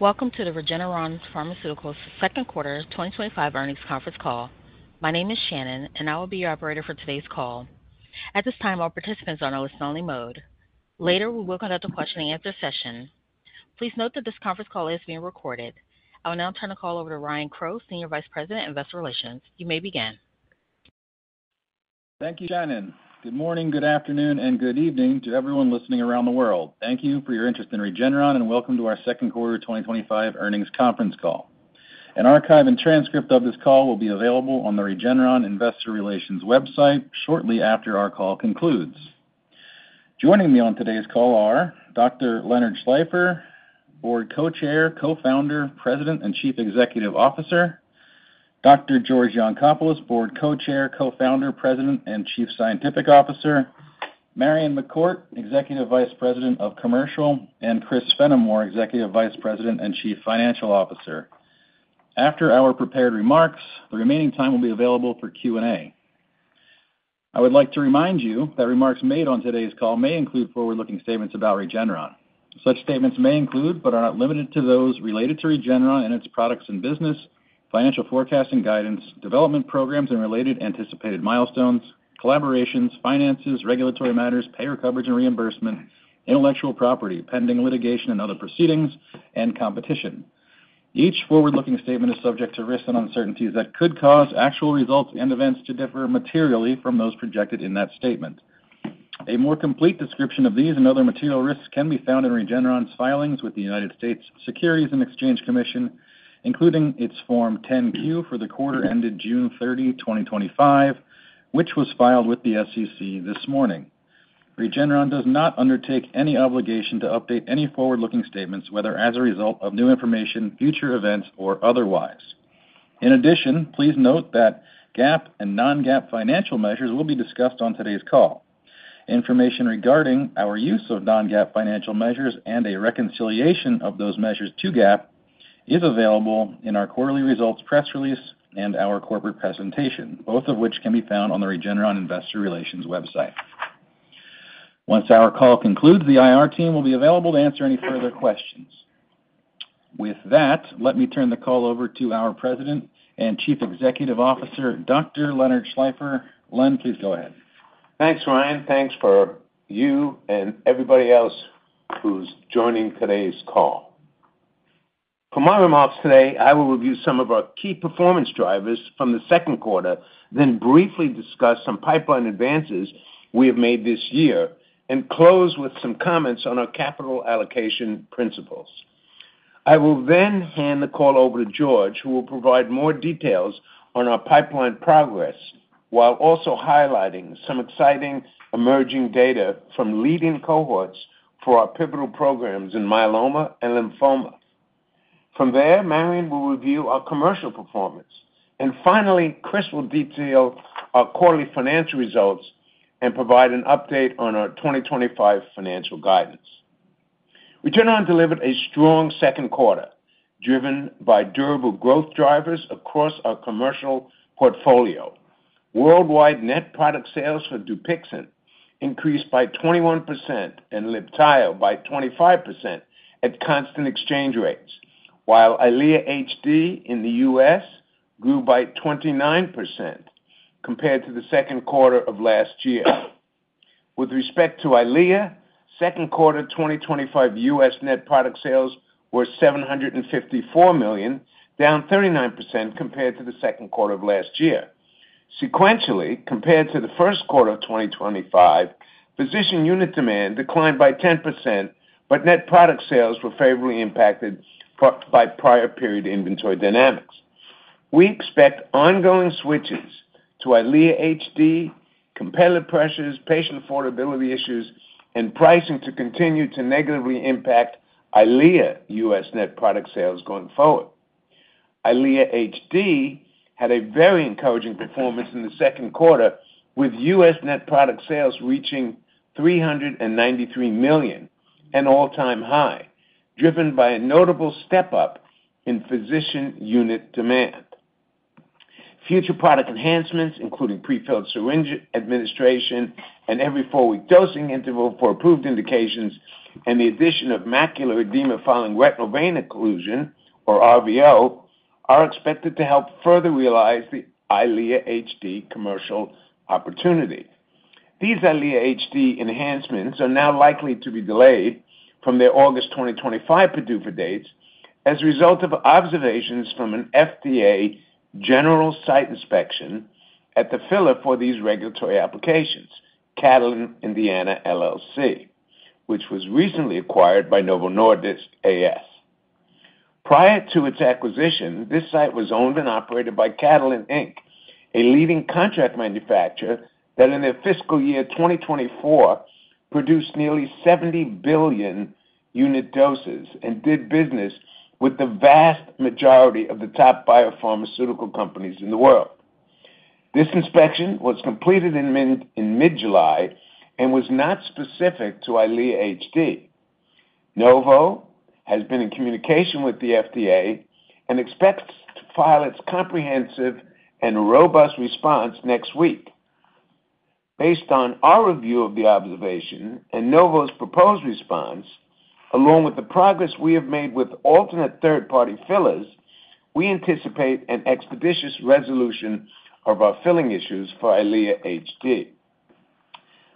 Welcome to the Regeneron Pharmaceuticals second quarter 2025 earnings conference call. My name is Shannon and I will be your operator for today's call. At this time, all participants are in a listen-only mode. Later, we will conduct a question and answer session. Please note that this conference call is being recorded. I will now turn the call over to Ryan Crowe, Senior Vice President, Investor Relations. You may begin. Thank you, Shannon. Good morning, good afternoon, and good evening to everyone listening around the world. Thank you for your interest in Regeneron and welcome to our second quarter 2025 earnings conference call. An archive and transcript of this call will be available on the Regeneron Investor Relations website shortly after our call concludes. Joining me on today's call are Dr. Leonard Schleifer, Board Co-Chair, Co-Founder, President and Chief Executive Officer; Dr. George Yancopoulos, Board Co-Chair, Co-Founder, President and Chief Scientific Officer; Marion McCourt, Executive Vice President, Commercial; and Chris Fenimore, Executive Vice President and Chief Financial Officer. After our prepared remarks, the remaining time will be available for Q&A. I would like to remind you that remarks made on today's call may include forward-looking statements about Regeneron. Such statements may include, but are not limited to, those related to Regeneron and its products and business, financial forecasting guidance, development programs and related anticipated milestones, collaborations, finances, regulatory matters, payer coverage and reimbursement, intellectual property, pending litigation and other proceedings, and competition. Each forward-looking statement is subject to risks and uncertainties that could cause actual results and events to differ materially from those projected in that statement. A more complete description of these and other material risks can be found in Regeneron's filings with the United States Securities and Exchange Commission, including its Form 10-Q for the quarter ended June 30, 2025, which was filed with the SEC this morning. Regeneron does not undertake any obligation to update any forward-looking statements, whether as a result of new information, future events, or otherwise. In addition, please note that GAAP and non-GAAP financial measures will be discussed on today's call. Information regarding our use of non-GAAP financial measures and a reconciliation of those measures to GAAP is available in our quarterly results press release and our corporate presentation, both of which can be found on the Regeneron Investor Relations website. Once our call concludes, the IR team will be available to answer any further questions. With that, let me turn the call over to our President and Chief Executive Officer, Dr. Leonard Schleifer. Len, please go ahead. Thanks, Ryan. Thanks for you and everybody else who's joining today's call. For my remarks today, I will review some of our key performance drivers from the second quarter, then briefly discuss some pipeline advances we have made this year and close with some comments on our capital allocation principles. I will then hand the call over to George, who will provide more details on our pipeline progress while also highlighting some exciting emerging data from leading cohorts for our pivotal programs in myeloma and lymphoma. From there, Marion will review our commercial performance and finally, Chris will detail our quarterly financial results and provide an update on our 2025 financial guidance. Regeneron delivered a strong second quarter driven by durable growth drivers across our commercial portfolio. Worldwide net product sales for DUPIXENT increased by 21% and LIBTAYO by 25% at constant exchange rates, while EYLEA HD in the U.S. grew by 29% compared to the second quarter of last year. With respect to EYLEA, second quarter 2025 U.S. net product sales were $754 million, down 39% compared to the second quarter of last year. Sequentially, compared to the first quarter of 2025, physician unit demand declined by 10%, but net product sales were favorably impacted by prior period inventory dynamics. We expect ongoing switches to EYLEA HD, competitive pressures, patient affordability issues, and pricing to continue to negatively impact EYLEA U.S. net product sales going forward. EYLEA HD had a very encouraging performance in the second quarter with U.S. net product sales reaching $393 million, an all-time high, driven by a notable step up in physician unit demand. Future product enhancements, including pre-filled syringe administration and every four week dosing interval for approved indications and the addition of macular edema following retinal vein occlusion, or RVO, are expected to help further realize the EYLEA HD commercial opportunity. These EYLEA HD enhancements are now likely to be delayed from their August 2025 PDUFA dates as a result of observations from an FDA general site inspection at the filler for these regulatory applications, Catalent Indiana LLC, which was recently acquired by Novo Nordisk A/S. Prior to its acquisition, this site was owned and operated by Catalent Inc, a leading contract manufacturer that in the fiscal year 2024 produced nearly 70 billion unit doses and did business with the vast majority of the top biopharmaceutical companies in the world. This inspection was completed in mid-July and was not specific to EYLEA HD. Novo has been in communication with the FDA and expects to file its comprehensive and robust response next week. Based on our review of the observation and Novo's proposed response, along with the progress we have made with alternate third-party fillers, we anticipate an expeditious resolution of our filling issues for EYLEA HD.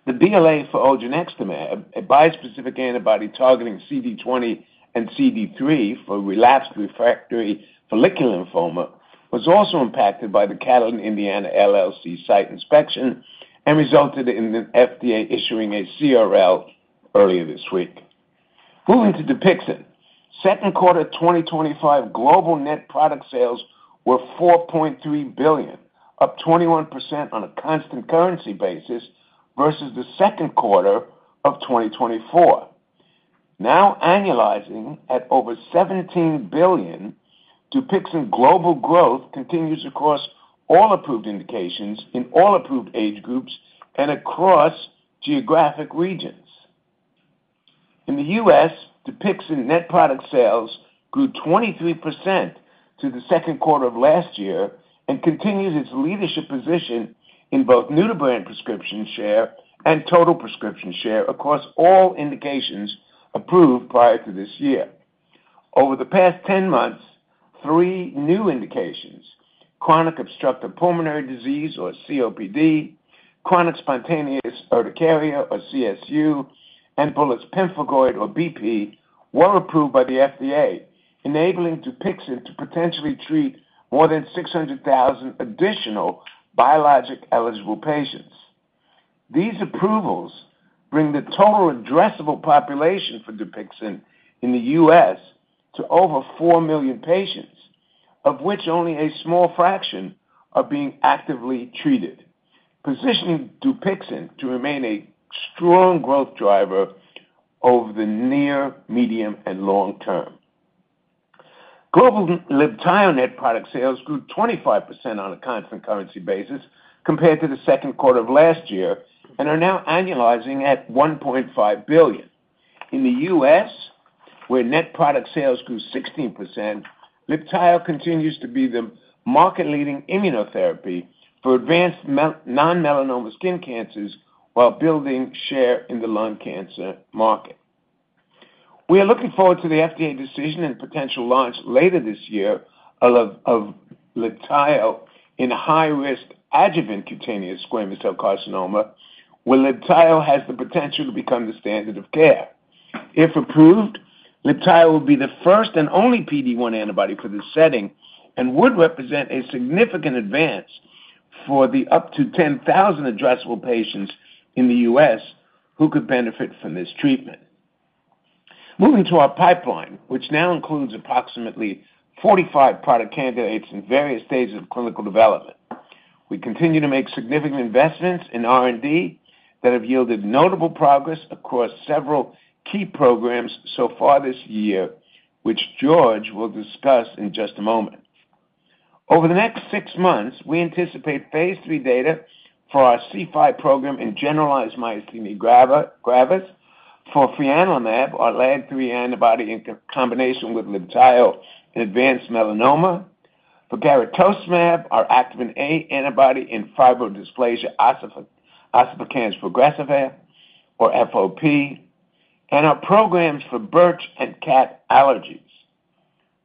The BLA for odronextamab, a bispecific antibody targeting CD20 and CD3 for relapsed refractory follicular lymphoma, was also impacted by the Catalent Indiana LLC site inspection and resulted in the FDA issuing a CRL earlier this week. Moving to DUPIXENT, second quarter 2025 global net product sales were $4.3 billion, up 21% on a constant currency basis versus the second quarter of 2024, now annualizing at over $17 billion. DUPIXENT global growth continues across all approved indications in all approved age groups and across geographic regions. In the U.S., DUPIXENT net product sales grew 23% to the second quarter of last year and continues its leadership position in both new-to-brand prescription share and total prescription share across all indications approved prior to this year. Over the past 10 months, three new indications, chronic obstructive pulmonary disease or COPD, chronic spontaneous urticaria or CSU, and bullous pemphigoid or BP, were approved by the FDA, enabling DUPIXENT to potentially treat more than 600,000 additional biologic-eligible patients. These approvals bring the total addressable population for DUPIXENT in the U.S. to over 4 million patients, of which only a small fraction are being actively treated, positioning DUPIXENT to remain a strong growth driver over the near, medium, and long term. Global LIBTAYO net product sales grew 25% on a constant currency basis compared to the second quarter of last year and are now annualizing at $1.5 billion. In the U.S., where net product sales grew 16%, LIBTAYO continues to be the market-leading immunotherapy for advanced non-melanoma skin cancers while building share in the lung cancer market. We are looking forward to the FDA decision and potential launch later this year of LIBTAYO in high-risk adjuvant cutaneous squamous cell carcinoma, where LIBTAYO has the potential to become the standard of care if approved. LIBTAYO will be the first and only PD-1 antibody for this setting and would represent a significant advance for the up to 10,000 addressable patients in the U.S. who could benefit from this treatment. Moving to our pipeline, which now includes approximately 45 product candidates in various stages of clinical development, we continue to make significant investments in R&D that have yielded notable progress across several key programs so far this year, which George will discuss in just a moment. Over the next six months, we anticipate phase III data for our C5 program in generalized myasthenia gravis, for fianlimab, our LAD3 antibody, in combination with LIBTAYO in advanced melanoma, for garetosmab, our Activin A antibody in fibrodysplasia ossificans progressiva or FOP, and our programs for birch and cat allergies.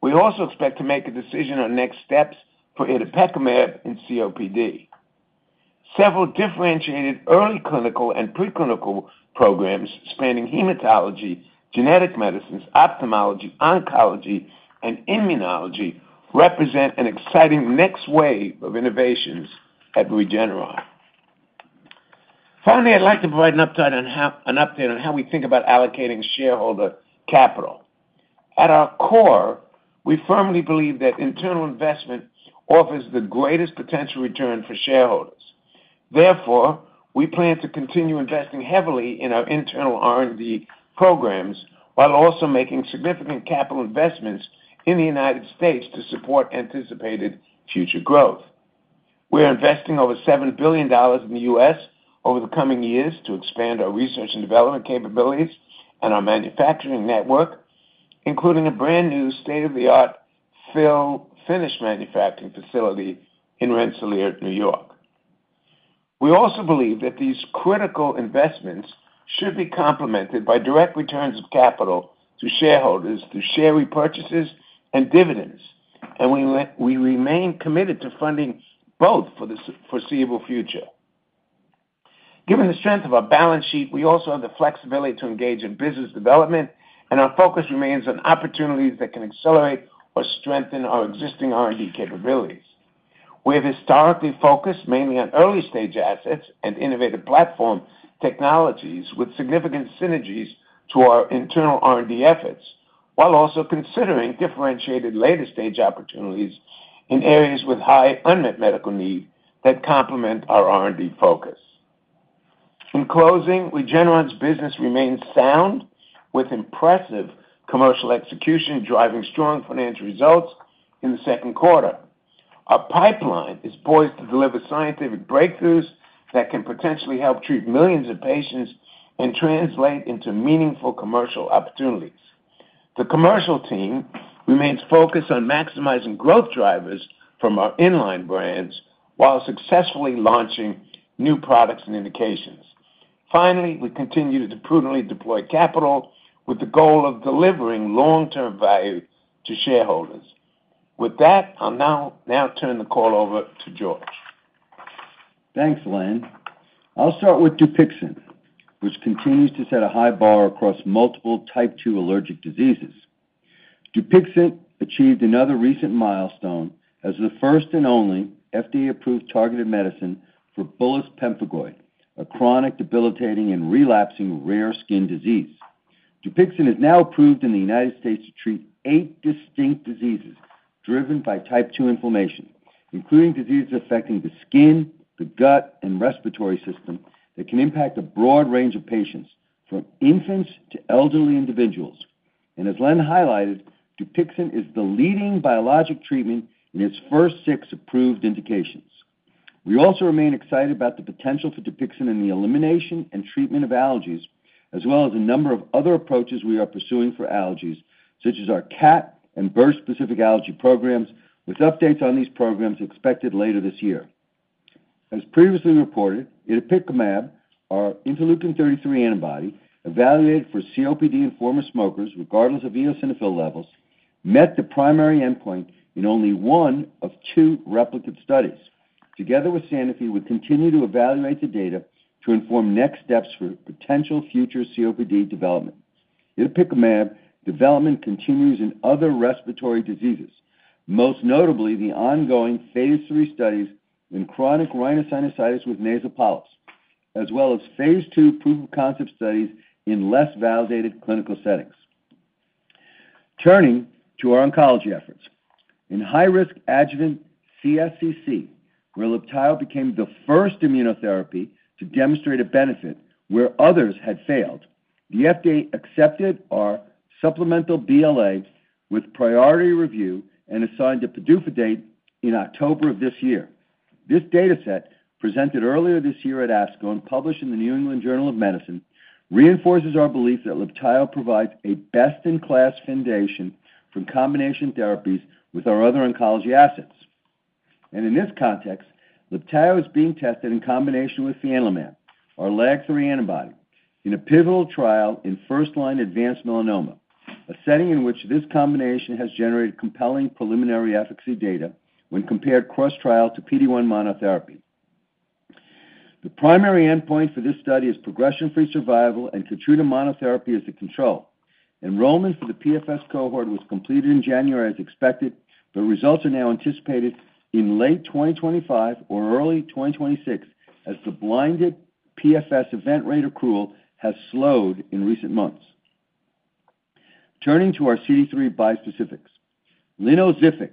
We also expect to make a decision on next steps for itepekimab in COPD. Several differentiated early clinical and preclinical programs spanning hematology, genetic medicines, ophthalmology, oncology, and immunology represent an exciting next wave of innovations at Regeneron. Finally, I'd like to provide an update on how we think about allocating shareholder capital. At our core, we firmly believe that internal investment offers the greatest potential return for shareholders. Therefore, we plan to continue investing heavily in our internal R&D programs while also making significant capital investments in the United States to support anticipated future growth. We are investing over $7 billion in the U.S. over the coming years to expand our research and development capabilities and our manufacturing network, including a brand new state-of-the-art fill-finish manufacturing facility in Rensselaer, New York. We also believe that these critical investments should be complemented by direct returns of capital to shareholders through share repurchases and dividends, and we remain committed to funding both for the foreseeable future given the strength of our balance sheet. We also have the flexibility to engage in business development, and our focus remains on opportunities that can accelerate or strengthen our existing R&D capabilities. We have historically focused mainly on early-stage assets and innovative platform technologies with significant synergies to our internal R&D efforts while also considering differentiated later-stage opportunities in areas with high unmet medical need that complement our R&D focus. In closing, Regeneron's business remains sound with impressive commercial execution driving strong financial results. In the second quarter, our pipeline is poised to deliver scientific breakthroughs that can potentially help treat millions of patients and translate into meaningful commercial opportunities. The commercial team remains focused on maximizing growth drivers from our in-line brands while successfully launching new products and indications. Finally, we continue to prudently deploy capital with the goal of delivering long-term value to shareholders. With that, I'll now turn the call over to George. Thanks Len. I'll start with DUPIXENT, which continues to set a high bar across multiple type 2 allergic diseases. DUPIXENT achieved another recent milestone as the first and only FDA-approved targeted medicine for bullous pemphigoid, a chronic, debilitating, and relapsing rare skin disease. DUPIXENT is now approved in the United States to treat eight distinct diseases driven by type 2 inflammation, including diseases affecting the skin, the gut, and respiratory system that can impact a broad range of patients from infants to elderly individuals. As Len highlighted, DUPIXENT is the leading biologic treatment in its first six approved indications. We also remain excited about the potential for DUPIXENT in the elimination and treatment of allergies, as well as a number of other approaches we are pursuing for allergies such as our CAT and burst-specific allergy programs, with updates on these programs expected later this year. As previously reported, itepekimab, our interleukin-33 antibody evaluated for COPD in former smokers regardless of eosinophil levels, met the primary endpoint in only one of two replicate studies. Together with Sanofi, we continue to evaluate the data to inform next steps for potential future COPD development in itepekimab. Development continues in other respiratory diseases, most notably the ongoing phase III studies in chronic rhinosinusitis with nasal polyps, as well as phase II proof-of-concept studies in less validated clinical settings. Turning to our oncology efforts in high-risk adjuvant CSCC, where LIBTAYO became the first immunotherapy to demonstrate a benefit where others had failed, the FDA accepted our supplemental BLA with priority review and assigned a PDUFA date in October of this year. This data set, presented earlier this year at ASCO and published in the New England Journal of Medicine, reinforces our belief that LIBTAYO provides a best-in-class foundation for combination therapies with our other oncology assets. In this context, LIBTAYO is being tested in combination with fianlimab, our LAG3 antibody, in a pivotal trial in first-line advanced melanoma, a setting in which this combination has generated compelling preliminary efficacy data when compared cross-trial to PD-1 monotherapy. The primary endpoint for this study is progression-free survival and KEYTRUDA monotherapy as a control. Enrollment for the PFS cohort was completed in January as expected, but results are now anticipated in late 2025 or early 2026 as the blinded PFS event rate accrual has slowed in recent months. Turning to our CD3 bispecifics, linvoseltamab,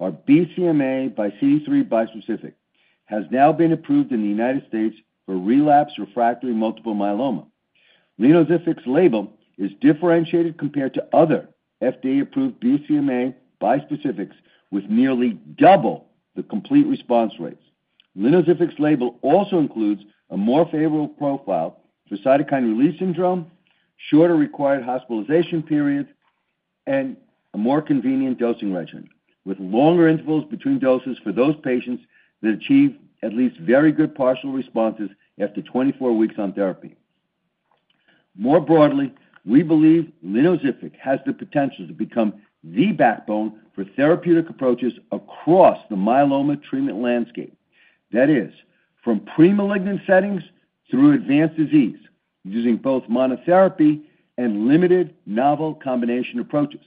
our BCMA by CD3 bispecific, has now been approved in the United States for relapsed refractory multiple myeloma. Linvoseltamab's label is differentiated compared to other FDA approved BCMA bispecifics with nearly double the complete response rates. Linvoseltamab's label also includes a more favorable profile for cytokine release syndrome, shorter required hospitalization periods, and a more convenient dosing regimen with longer intervals between doses for those patients that achieve at least very good partial responses after 24 weeks on therapy. More broadly, we believe linvoseltamab has the potential to become the backbone for therapeutic approaches across the myeloma treatment landscape, that is, from premalignant settings through advanced disease using both monotherapy and limited novel combination approaches.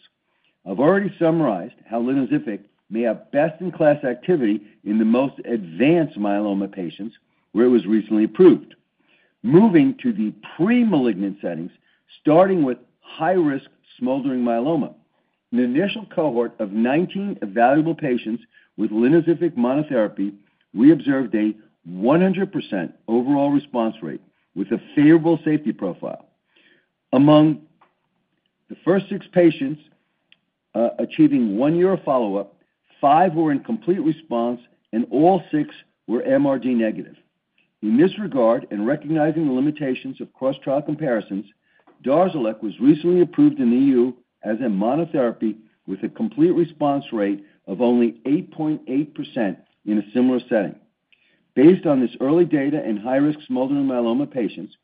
I've already summarized how linvoseltamab may have best in class activity in the most advanced myeloma patients where it was recently approved. Moving to the premalignant settings, starting with high risk smoldering myeloma, in an initial cohort of 19 evaluable patients with linvoseltamab monotherapy, we observed a 100% overall response rate with a favorable safety profile. Among the first six patients achieving one year of follow up, five were in complete response and all six were MRD negative. In this regard, and recognizing the limitations of cross trial comparisons, Darzalex was recently approved in the EU as a monotherapy with a complete response rate of only 8.8% in a similar setting. Based on this early data in high risk smoldering myeloma patients,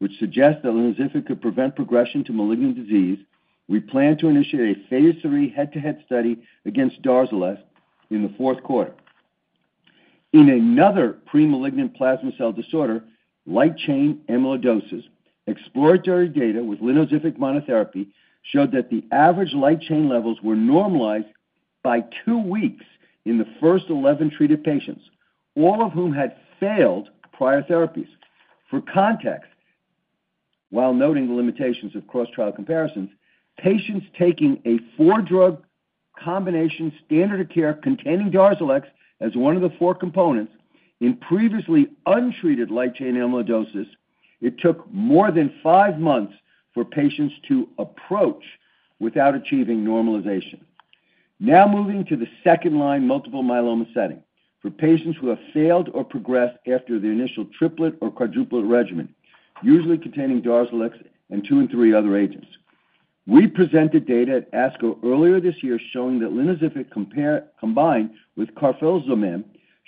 which suggests that linvoseltamab could prevent progression to malignant disease, we plan to initiate a phase III head to head study against Darzalex in the fourth quarter. In another premalignant plasma cell disorder, light chain amyloidosis, exploratory data with linvoseltamab monotherapy showed that the average light chain levels were normalized by two weeks in the first 11 treated patients, all of whom had failed prior therapies. For context, while noting the limitations of cross-trial comparisons, patients taking a four-drug combination standard of care containing Darzalex as one of the four components in previously untreated light chain amyloidosis, it took more than five months for patients to approach without achieving normalization. Now moving to the second line multiple myeloma setting. For patients who have failed or progressed after the initial triplet or quadruplet regimen, usually containing Darzalex and two and three other agents, we presented data at ASCO earlier this year showing that linvoseltamab combined with carfilzomib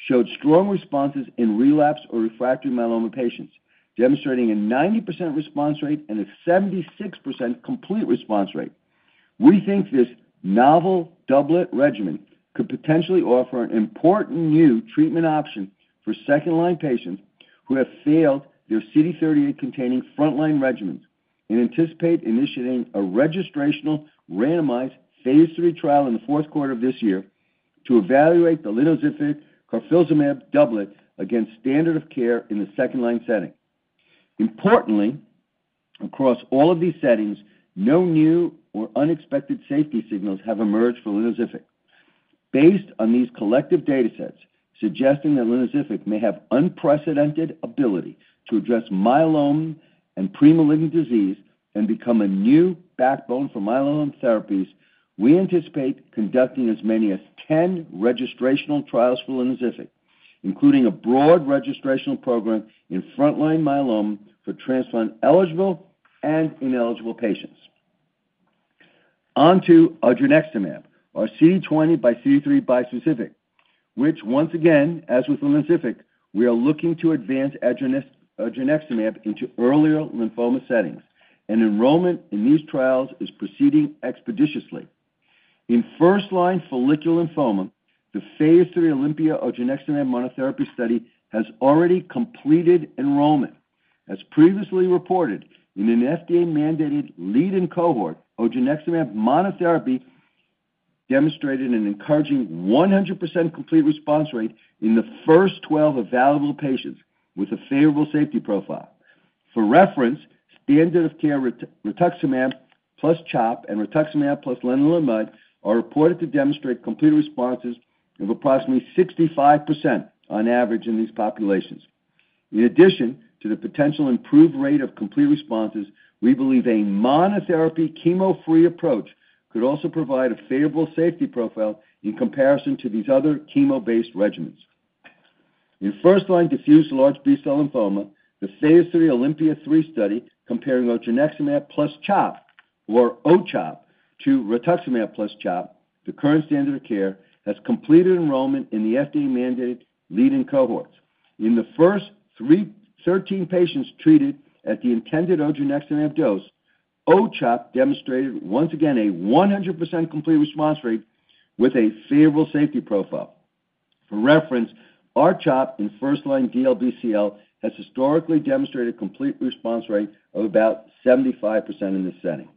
showed strong responses in relapsed or refractory myeloma patients, demonstrating a 90% response rate and a 76% complete response rate. We think this novel doublet regimen could potentially offer an important new treatment option for second line patients who have failed their CD38-containing frontline regimens and anticipate initiating a registrational randomized phase III trial in the fourth quarter of this year to evaluate the linvoseltamab carfilzomib doublet against standard of care in the second line setting. Importantly, across all of these settings, no new or unexpected safety signals have emerged for linvoseltamab based on these collective datasets, suggesting that linvoseltamab may have unprecedented ability to address myeloma and pre-malignant disease and become a new backbone for myeloma therapies. We anticipate conducting as many as 10 registrational trials for linvoseltamab, including a broad registrational program in frontline myeloma for transplant eligible and ineligible patients. Onto odronextamab, our CD20 by CD3 bispecific, which once again, as with linvoseltamab, we are looking to advance odronextamab into earlier lymphoma settings and enrollment in these trials is proceeding expeditiously. In first line follicular lymphoma, the phase III OLYMPIA odronextamab monotherapy study has already completed enrollment. As previously reported in an FDA-mandated lead-in cohort, odronextamab monotherapy demonstrated an encouraging 100% complete response rate in the first 12 available patients with a favorable safety profile. For reference, standard of care, rituximab plus CHOP and rituximab plus lenalidomide are reported to demonstrate complete responses of approximately 65% on average in these populations. In addition to the potential improved rate of complete responses, we believe a monotherapy chemo-free approach could also provide a favorable safety profile in comparison to these other chemo-based regimens in first-line diffuse large B-cell lymphoma. The phase III OLYMPIA-3 study comparing odronextamab plus CHOP, or O-CHOP, to rituximab plus CHOP, the current standard of care, has completed enrollment in the FDA-mandated leading cohorts. In the first 13 patients treated at the intended odronextamab dose, O-CHOP demonstrated once again a 100% complete response rate with a favorable safety profile. For reference, R-CHOP in first-line DLBCL has historically demonstrated a complete response rate of about 75% in this setting.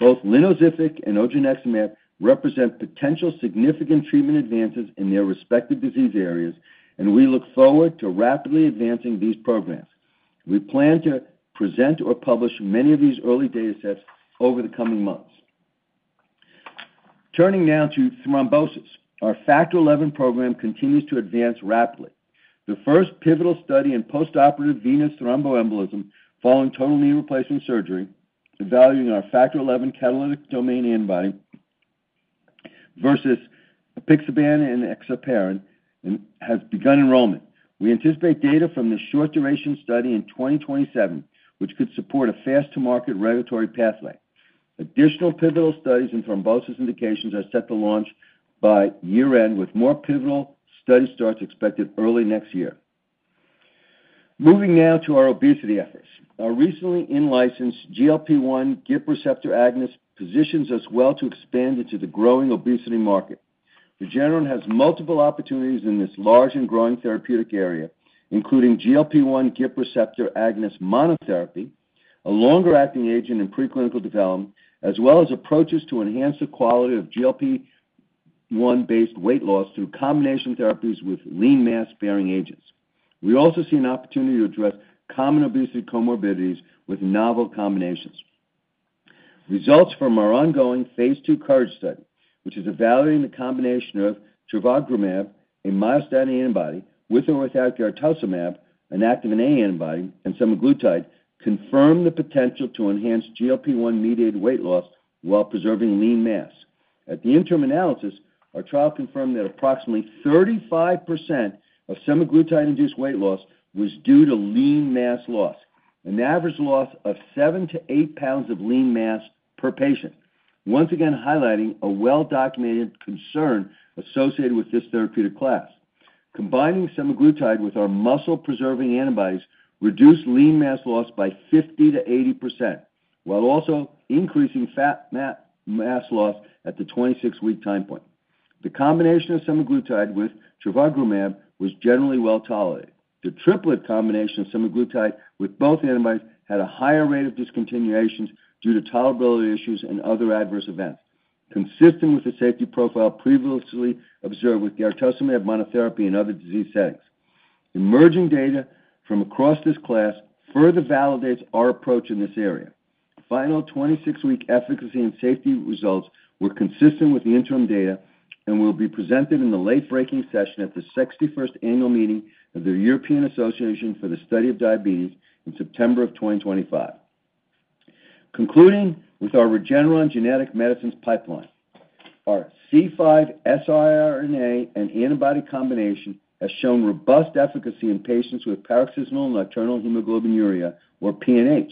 Both linvoseltamab and odronextamab represent potential significant treatment advances in their respective disease areas, and we look forward to rapidly advancing these programs. We plan to present or publish many of these early datasets over the coming months. Turning now to thrombosis, our factor XI program continues to advance rapidly. The first pivotal study in postoperative venous thromboembolism following total knee replacement surgery, evaluating our factor XI catalytic domain antibody versus apixaban and enoxaparin, has begun enrollment. We anticipate data from this short-duration study in 2027, which could support a fast-to-market regulatory pathway. Additional pivotal studies in thrombosis indications are set to launch by year-end, with more pivotal study starts expected early next year. Moving now to our obesity efforts, our recently in-licensed GLP-1/GIP receptor agonist positions us well to expand into the growing obesity market. Regeneron has multiple opportunities in this large and growing therapeutic area, including GLP-1/GIP receptor agonist monotherapy, a longer-acting agent in preclinical development, as well as approaches to enhance the quality of GLP-1-based weight loss through combination therapies with lean mass-sparing agents. We also see an opportunity to address common obesity comorbidities with novel combinations. Results from our ongoing phase II COURAGE study, which is evaluating the combination of trivogrimab, a myostatin antibody, with or without garetosmab, an activin A antibody, and semaglutide, confirmed the potential to enhance GLP-1-mediated weight loss while preserving lean mass. At the interim analysis, our trial confirmed that approximately 35% of semaglutide-induced weight loss was due to lean mass loss, an average loss of 7 to 8 pounds of lean mass per patient, once again highlighting a well-documented concern associated with this therapeutic class. Combining semaglutide with our muscle-preserving antibodies reduced lean mass loss by 50% to 80% while also increasing fat mass loss at the 26-week time point. The combination of semaglutide with trivagrumab was generally well tolerated. The triplet combination of semaglutide with both antibodies had a higher rate of discontinuations due to tolerability issues and other adverse events consistent with the safety profile previously observed with garetosmab monotherapy and other disease settings. Emerging data from across this class further validates our approach in this area. Final 26-week efficacy and safety results were consistent with the interim data and will be presented in the late-breaking session at the 61st Annual Meeting of the European Association for the Study of Diabetes in September of 2025, concluding with our Regeneron genetic medicines pipeline. Our C5 siRNA and antibody combination has shown robust efficacy in patients with paroxysmal nocturnal hemoglobinuria, or PNH.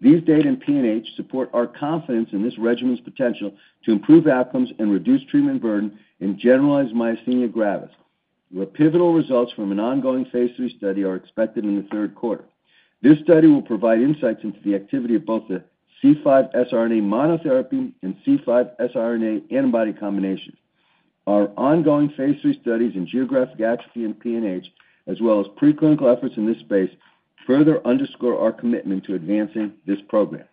These data in PNH support our confidence in this regimen's potential to improve outcomes and reduce treatment burden in generalized myasthenia gravis, where pivotal results from an ongoing phase III study are expected in the third quarter. This study will provide insights into the activity of both the C5 siRNA monotherapy and C5 siRNA antibody combinations. Our ongoing phase III studies in geographic atrophy and PNH, as well as preclinical efforts in this space, further underscore our commitment to advancing this program.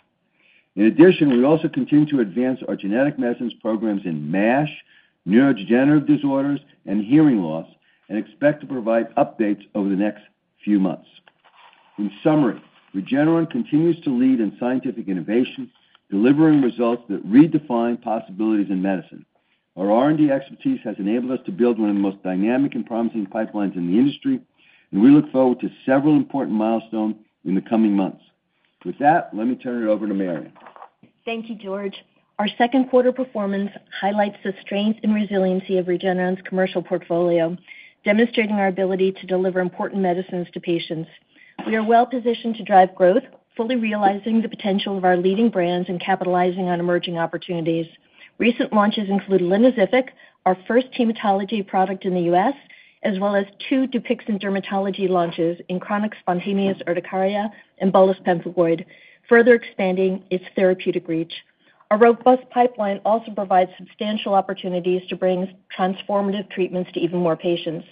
In addition, we also continue to advance our genetic medicines programs in MASH, neurodegenerative disorders, and hearing loss and expect to provide updates over the next few months. In summary, Regeneron continues to lead in scientific innovation, delivering results that redefine possibilities in medicine. Our R&D expertise has enabled us to build one of the most dynamic and promising pipelines in the industry, and we look forward to several important milestones in the coming months. With that, let me turn it over to Marion. Thank you, George. Our second quarter performance highlights the strength and resiliency of Regeneron's commercial portfolio, demonstrating our ability to deliver important medicines to patients. We are well positioned to drive growth, fully realizing the potential of our leading brands and capitalizing on emerging opportunities. Recent launches include linvoseltamab, our first hematology product in the U.S., as well as two DUPIXENT dermatology launches in chronic spontaneous urticaria and bullous pemphigoid, further expanding its therapeutic reach. Our robust pipeline also provides substantial opportunities to bring transformative treatments to even more patients,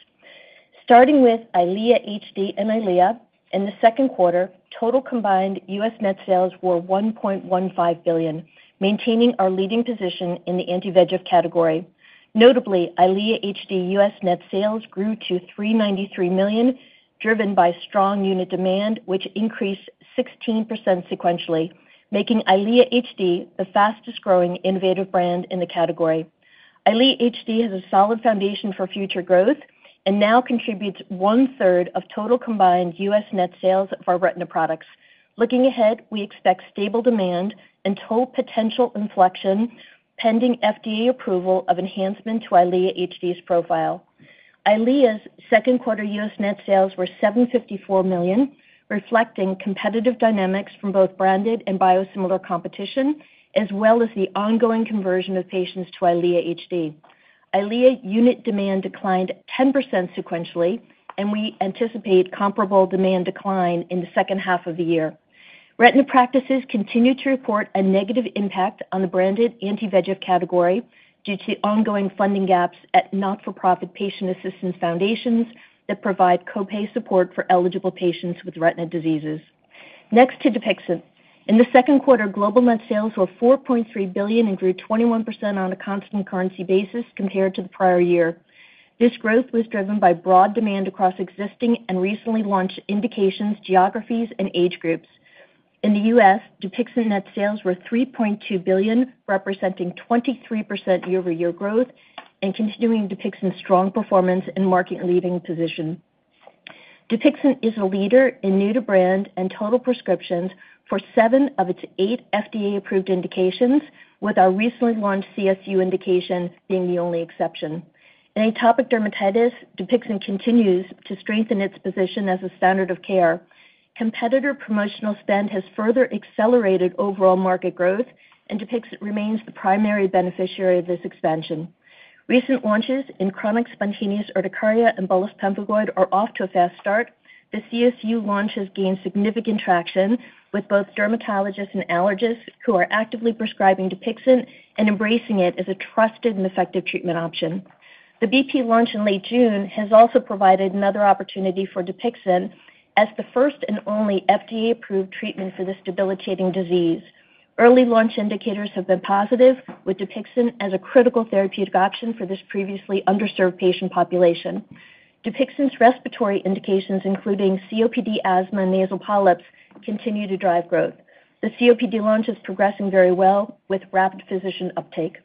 starting with EYLEA HD and EYLEA. In the second quarter, total combined U.S. net sales were $1.15 billion, maintaining our leading position in the anti-VEGF category, notably EYLEA HD. U.S. net sales grew to $393 million, driven by strong unit demand which increased 16% sequentially, making EYLEA HD the fastest growing innovative brand in the category. EYLEA HD has a solid foundation for future growth and now contributes one third of total combined U.S. net sales of our retina products. Looking ahead, we expect stable demand and potential inflection pending FDA approval of enhancements to EYLEA HD's profile. EYLEA's second quarter U.S. net sales were $754 million, reflecting competitive dynamics from both branded and biosimilar competition as well as the ongoing conversion of patients to EYLEA HD. EYLEA unit demand declined 10% sequentially and we anticipate comparable demand decline in the second half of the year. Retina practices continue to report a negative impact on the branded anti-VEGF category due to ongoing funding gaps at not-for-profit patient assistance foundations that provide copay support for eligible patients with retina diseases. Next, DUPIXENT in the second quarter global net sales were $4.3 billion and grew 21% on a constant currency basis compared to the prior year. This growth was driven by broad demand across existing and recently launched indications, geographies, and age groups. In the U.S., DUPIXENT net sales were $3.2 billion, representing 23% year-over-year growth and continuing DUPIXENT's strong performance and market leading position. DUPIXENT is a leader in new-to-brand and total prescriptions for seven of its eight FDA approved indications. With our recently launched CSU indication being the only exception, in atopic dermatitis, DUPIXENT continues to strengthen its position as a standard of care competitor. Promotional spend has further accelerated overall market growth, and DUPIXENT remains the primary beneficiary of this expansion. Recent launches in chronic spontaneous urticaria and bullous pemphigoid are off to a fast start. The CSU launch has gained significant traction with both dermatologists and allergists who are actively prescribing DUPIXENT and embracing it as a trusted and effective treatment option. The BP launch in late June has also provided another opportunity for DUPIXENT as the first and only FDA-approved treatment for this debilitating disease. Early launch indicators have been positive, with DUPIXENT as a critical therapeutic option for this previously underserved patient population. DUPIXENT's respiratory indications, including COPD, asthma, and nasal polyps, continue to drive growth. The COPD launch is progressing very well with rapid physician uptake.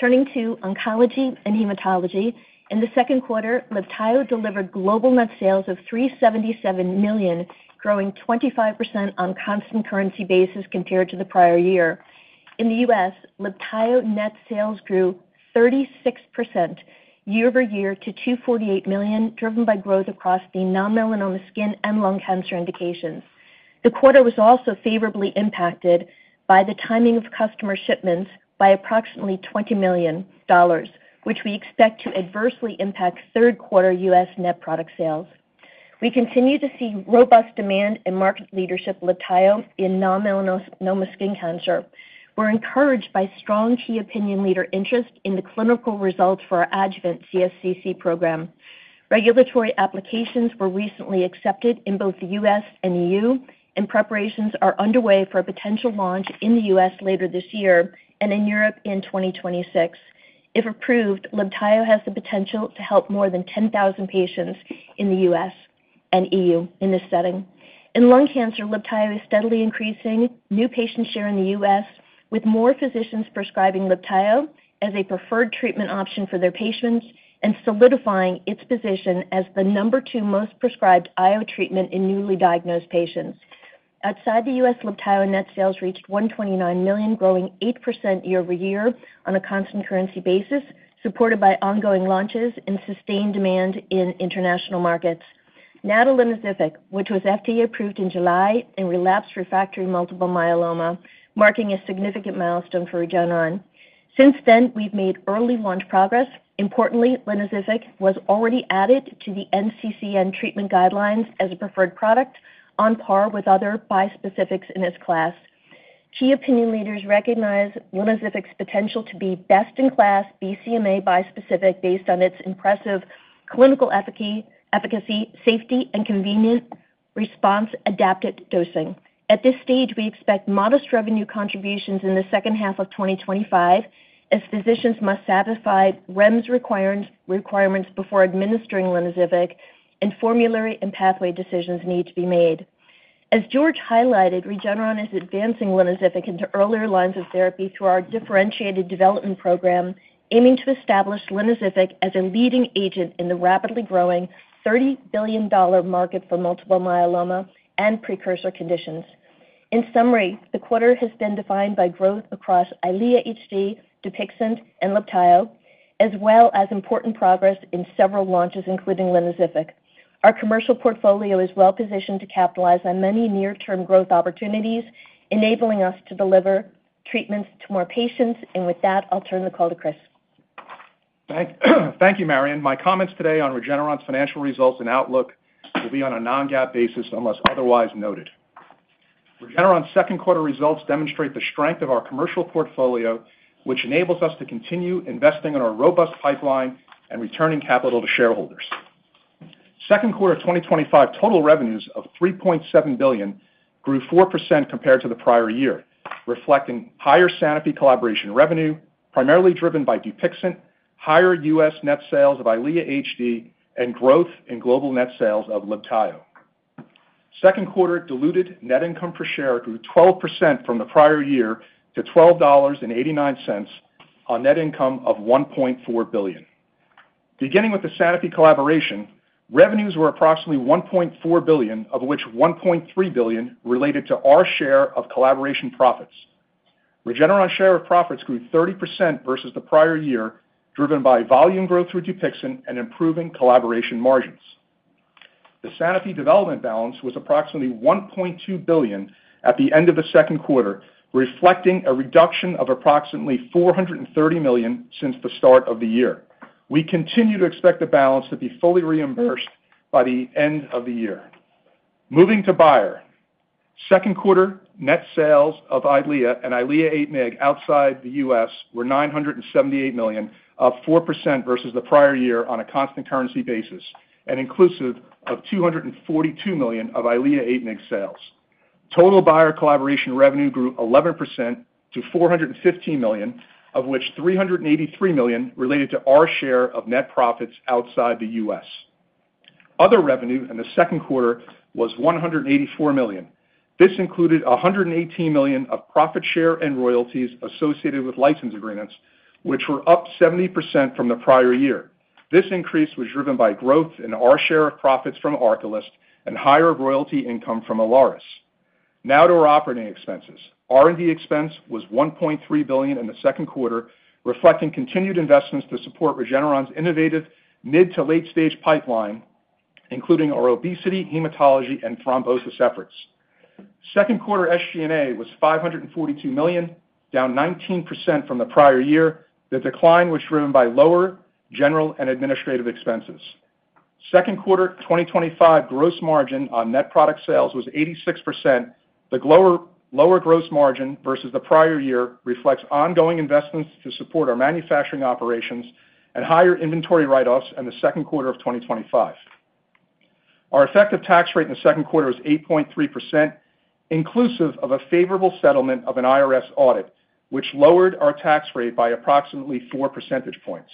Turning to oncology and hematology, in the second quarter, LIBTAYO delivered global net sales of $377 million, growing 25% on a constant currency basis compared to the prior year. In the U.S., LIBTAYO net sales grew 36% year over year to $248 million, driven by growth across the non-melanoma skin and lung cancer indications. The quarter was also favorably impacted by the timing of customer shipments by approximately $20 million, which we expect to adversely impact third quarter U.S. net product sales. We continue to see robust demand and market leadership for LIBTAYO in non-melanoma skin cancer. We're encouraged by strong key opinion leader interest in the clinical results for our adjuvant CSCC program. Regulatory applications were recently accepted in both the U.S. and EU, and preparations are underway for a potential launch in the U.S. later this year and in Europe in 2026. If approved, LIBTAYO has the potential to help more than 10,000 patients in the U.S. and EU in this setting. In lung cancer, LIBTAYO is steadily increasing new patient share in the U.S., with more physicians prescribing LIBTAYO as a preferred treatment option for their patients and solidifying its position as the number two most prescribed IO treatment in newly diagnosed patients. Outside the U.S., LIBTAYO net sales reached $129 million, growing 8% year over year on a constant currency basis, supported by ongoing launches and sustained demand in international markets. Linvoseltamab, which was FDA approved in July in relapsed refractory multiple myeloma, marking a significant milestone for Regeneron. Since then we've made early launch progress. Importantly, linvoseltamab was already added to the NCCN treatment guidelines as a preferred product on par with other bispecifics in its class. Key opinion leaders recognize linvoseltamab's potential to be best in class BCMA bispecific based on its impressive clinical efficacy, safety, and convenient response-adapted dosing. At this stage, we expect modest revenue contributions in the second half of 2025 as physicians must satisfy REMS requirements before administering linvoseltamab and formulary and pathway decisions need to be made. As George highlighted, Regeneron is advancing linvoseltamab into earlier lines of therapy through our differentiated development program, aiming to establish linvoseltamab as a leading agent in the rapidly growing $30 billion market for multiple myeloma and precursor conditions. In summary, the quarter has been defined by growth across EYLEA HD, DUPIXENT, and LIBTAYO, as well as important progress in several launches including linvoseltamab. Our commercial portfolio is well positioned to capitalize on many near term growth opportunities, enabling us to deliver treatments to more patients and with that I'll turn the call to Chris. Thank you, Marion. My comments today on Regeneron's financial results and outlook will be on a non-GAAP basis unless otherwise noted. Regeneron's second quarter results demonstrate the strength of our commercial portfolio, which enables us to continue investing in our robust pipeline and returning capital to shareholders. Second quarter 2025 total revenues of $3.37 billion grew 4% compared to the prior year, reflecting higher Sanofi collaboration revenue primarily driven by DUPIXENT, higher U.S. net sales of EYLEA HD, and growth in global net sales of LIBTAYO. Second quarter diluted net income per share grew 12% from the prior year to $12.89 on net income of $1.4 billion. Beginning with the Sanofi collaboration, revenues were approximately $1.4 billion, of which $1.3 billion related to our share of collaboration profits. Regeneron's share of profits grew 30% versus the prior year driven by volume growth through DUPIXENT and improving collaboration margins. The Sanofi development balance was approximately $1.2 billion at the end of the second quarter, reflecting a reduction of approximately $430 million since the start of the year. We continue to expect the balance to be fully reimbursed by the end of the year. Moving to Bayer, second quarter net sales of EYLEA and EYLEA HD outside the U.S. were $978 million, up 4% versus the prior year on a constant currency basis and inclusive of $242 million of EYLEA HD sales. Total Bayer collaboration revenue grew 11% to $415 million, of which $383 million related to our share of net profits outside the U.S. Other revenue in the second quarter was $184 million. This included $118 million of profit share and royalties associated with license agreements, which were up 70% from the prior year. This increase was driven by growth in our share of profits from ARCALYST and higher royalty income from Alnylam. Now to our operating expenses. R&D expense was $1.3 billion in the second quarter, reflecting continued investments to support Regeneron's innovative mid- to late-stage pipeline, including our obesity, hematology, and thrombosis efforts. Second quarter SG&A was $542 million, down 19% from the prior year. The decline was driven by lower general and administrative expenses. Second quarter 2025 gross margin on net product sales was 86%. The lower gross margin versus the prior year reflects ongoing investments to support our manufacturing operations and higher inventory write-offs in the second quarter of 2025. Our effective tax rate in the second quarter was 8.3% inclusive of a favorable settlement of an IRS audit which lowered our tax rate by approximately 4 percentage points.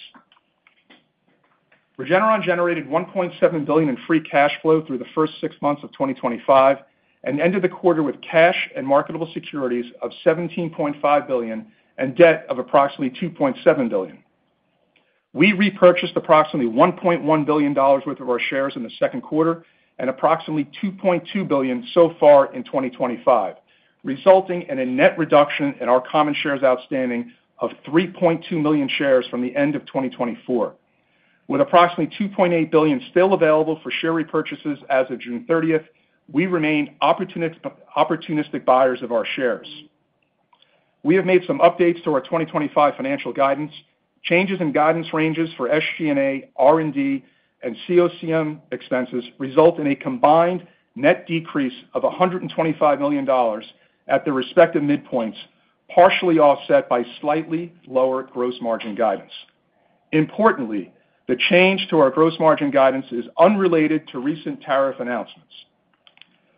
Regeneron generated $1.7 billion in free cash flow through the first six months of 2025 and ended the quarter with cash and marketable securities of $17.5 billion and debt of approximately $2.7 billion. We repurchased approximately $1.1 billion worth of our shares in the second quarter and approximately $2.2 billion so far in 2025, resulting in a net reduction in our common shares outstanding of 3.2 million shares from the end of 2024 with approximately $2.8 billion still available for share repurchases as of June 30. We remain opportunistic buyers of our shares. We have made some updates to our 2025 financial guidance. Changes in guidance ranges for SG&A, R&D, and COCM expenses result in a combined net decrease of $125 million at their respective midpoints, partially offset by slightly lower gross margin guidance. Importantly, the change to our gross margin guidance is unrelated to recent tariff announcements.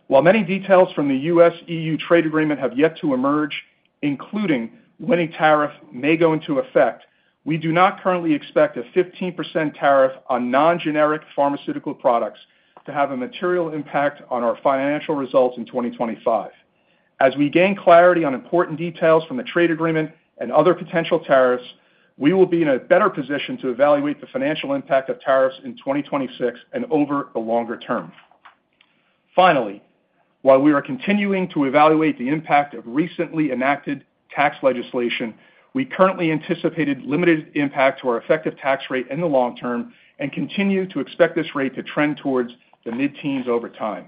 While many details from the U.S.-EU Trade Agreement have yet to emerge, including when a tariff may go into effect, we do not currently expect a 15% tariff on non-generic pharmaceutical products to have a material impact on our financial results in 2025. As we gain clarity on important details from the trade agreement and other potential tariffs, we will be in a better position to evaluate the financial impact of tariffs in 2026 and over the longer term. Finally, while we are continuing to evaluate the impact of recently enacted tax legislation, we currently anticipate limited impact to our effective tax rate in the long term and continue to expect this rate to trend towards the mid-teens over time.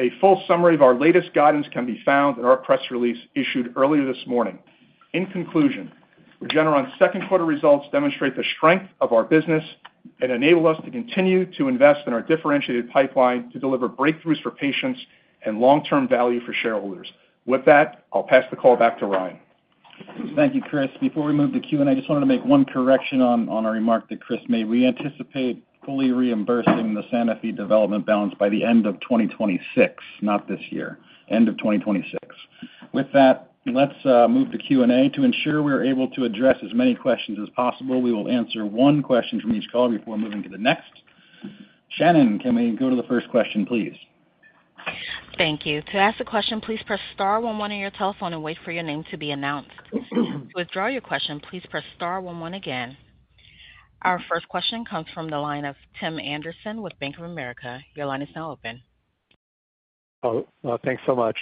A full summary of our latest guidance can be found in our press release issued earlier this morning. In conclusion, Regeneron's second quarter results demonstrate the strength of our business and enable us to continue to invest in our differentiated pipeline to deliver breakthroughs for patients and long-term value for shareholders. With that, I'll pass the call back to Ryan. Thank you, Chris. Before we move to Q&A, I just wanted to make one correction on our remark that Chris may re anticipate fully reimbursing the Sanofi development balance by the end of 2026, not this year. End of 2026. With that, let's move to Q&A. To ensure we're able to address as many questions as possible, we will answer one question from each caller before moving to the next. Shannon, can we go to the first question please? Thank you. To ask the question, please press star one one on your telephone and wait for your name to be announced. To withdraw your question, please press star one one again. Our first question comes from the line of Tim Anderson with Bank of America. Your line is now open. Thanks so much.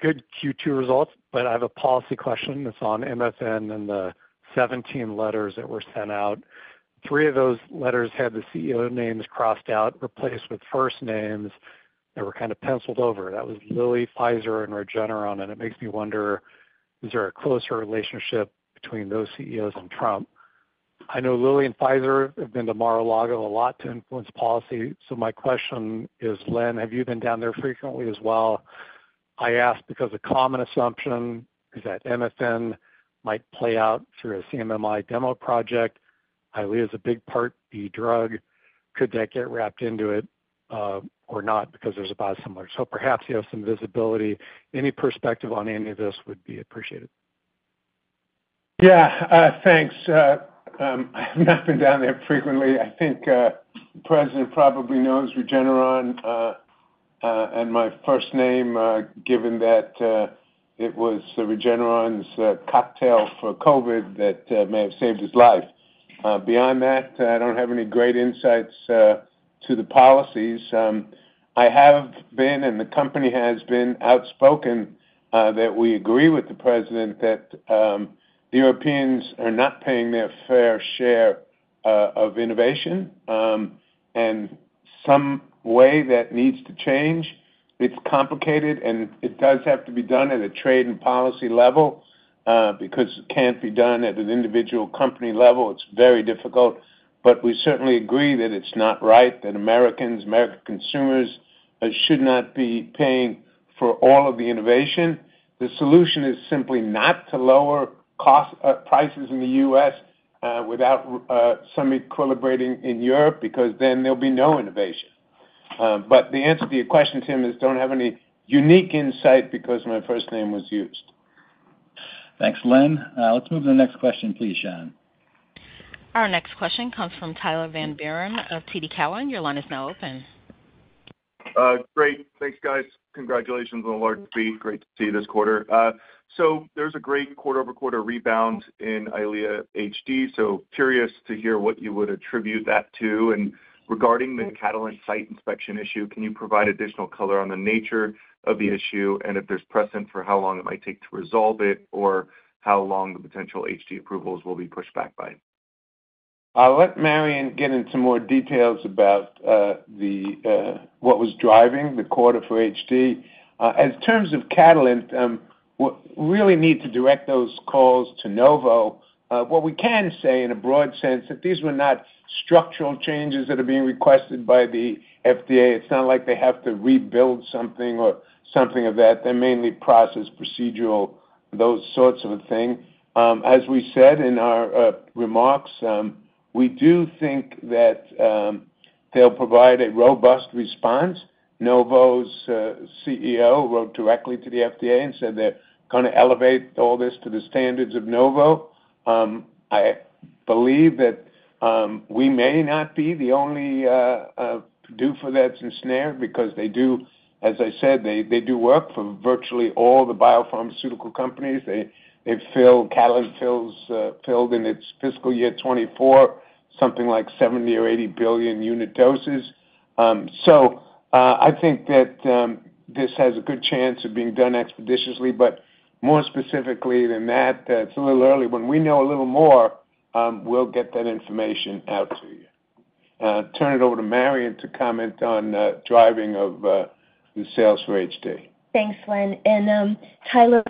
Good Q2 results. I have a policy question that's on MFN and the 17 letters that were sent out. Three of those letters had the CEO names crossed out, replaced with first names that were kind of penciled over. That was Lilly, Pfizer, and Regeneron, and it makes me wonder, is there a closer relationship between those CEOs and Trump? I know Lilly and Pfizer have been to Mar-a-Lago a lot to influence policy. My question is Len, have you been down there frequently as well? I ask because a common assumption is that MFN might play out through a CMMI demo project. IAH is a big Part B drug. Could that get wrapped into it? Not because there's a biosimilar. Perhaps you have some visibility. Any perspective on any of this would be appreciated. Yeah, thanks. I have not been down there frequently. I think the President probably knows Regeneron and my first name given that it was Regeneron’s cocktail for Covid that may have saved his life. Beyond that, I don't have any great insights to the policies. I have been, and the company has been, outspoken that we agree with the President that the Europeans are not paying their fair share of innovation and some way that needs to change. It's complicated, and it does have to be done at a trade and policy level because it can't be done at an individual company level. It's very difficult. We certainly agree that it's not right that Americans, American consumers, should not be paying for all of the innovation. The solution is simply not to lower cost prices in the U.S. without some equilibrating in Europe because then there will be no innovation. The answer to your question, Tim, is I don't have any unique insight because my first name was used. Thanks, Len. Let's move to the next question, please Shannon. Our next question comes from Tyler Van Buren of TD Cowen. Your line is now open. Great. Thanks, guys. Congratulations on a large fee. Great to see you this quarter. There is a great quarter over quarter rebound in EYLEA HD. Curious to hear what you would attribute that to. Regarding the Catalent site inspection issue. Can you provide additional color on that nature of the issue and if there's precedent for how long it might take to resolve it or how long potential EYLEA HD approvals will be pushed back by? I'll let Marion get into more details about what was driving the quarter for HD in terms of Catalent. We really need to direct those calls to Novo. What we can say in a broad sense is that these were not structural changes that are being requested by the FDA. It's not like they have to rebuild something or anything like that. They're mainly process, procedural, those sorts of things. As we said in our remarks, we do think that they'll provide a robust response. Novo's CEO wrote directly to the FDA and said they're going to elevate all this to the standards of Novo. I believe that we may not be the only group that's ensnared because they do, as I said, work for virtually all the biopharmaceutical companies. Catalent filled in its fiscal year 2024 something like 70 or 80 billion unit doses. I think that this has a good chance of being done expeditiously. More specifically than that, it's a little early. When we know a little more, we'll get that information out to you. I'll turn it over to Marion to comment on driving of the sales for HD. Thanks, Lynn and Tyler.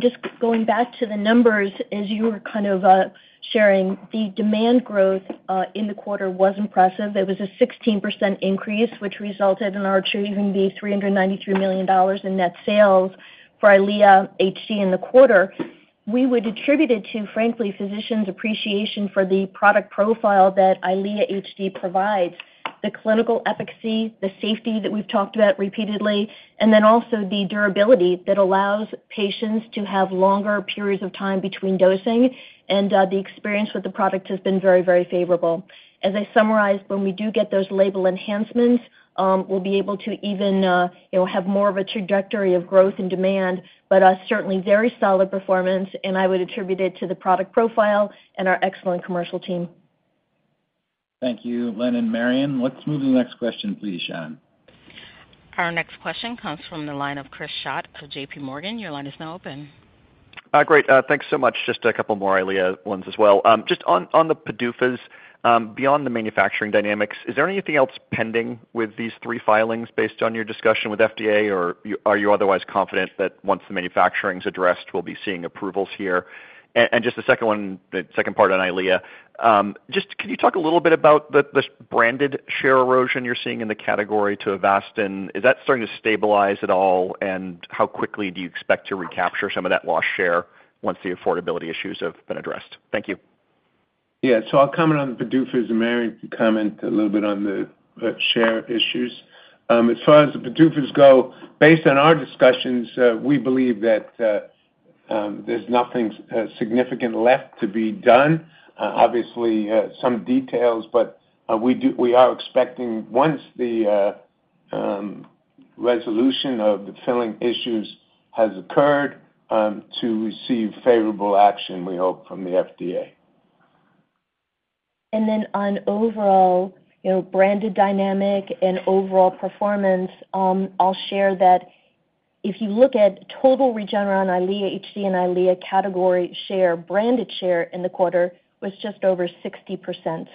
Just going back to the numbers as you were kind of sharing, the demand growth in the quarter was impressive. It was a 16% increase, which resulted in our achieving $393 million in net sales for EYLEA HD in the quarter. We would attribute it to, frankly, physicians' appreciation for the product profile that EYLEA HD provides. The clinical efficacy, the safety that we've talked about repeatedly, and then also the durability that allows patients to have longer periods of time between dosing, and the experience with the product has been very, very favorable. As I summarized, when we do get those label enhancements, we'll be able to even have more of a trajectory of growth and demand, certainly very solid performance. I would attribute it to the product profile and our excellent commercial team. Thank you, Len and Marion. Let's move to the next question, please Shannon. Our next question comes from the line of Chris Schott of JPMorgan. Your line is now open. Great, thanks so much. Just a couple more EYLEA ones as well. Just on the PDUFAs. Beyond the manufacturing dynamics, is there anything else pending with these three filings based on your discussion with FDA, or are you otherwise confident that once the manufacturing is addressed we'll be seeing approvals for here? The second part on EYLEA, can you talk a little bit about the branded share erosion you're seeing in the category to Avastin? Is that starting to stabilize at all, and how quickly do you expect to recapture some of that lost share once the affordability issues have been addressed? Thank you. Yes. I'll comment on the PDUFAs and Marion, comment a little bit on the share issues. As far as the PDUFAs go, based on our discussions, we believe that there's nothing significant left to be done. Obviously, some details, but we are expecting once the resolution of the filling issues has occurred to receive favorable action, we hope, from the FDA. On overall branded dynamic and overall performance, I'll share that if you look at total Regeneron, EYLEA HD and EYLEA category share, branded share in the quarter was just over 60%.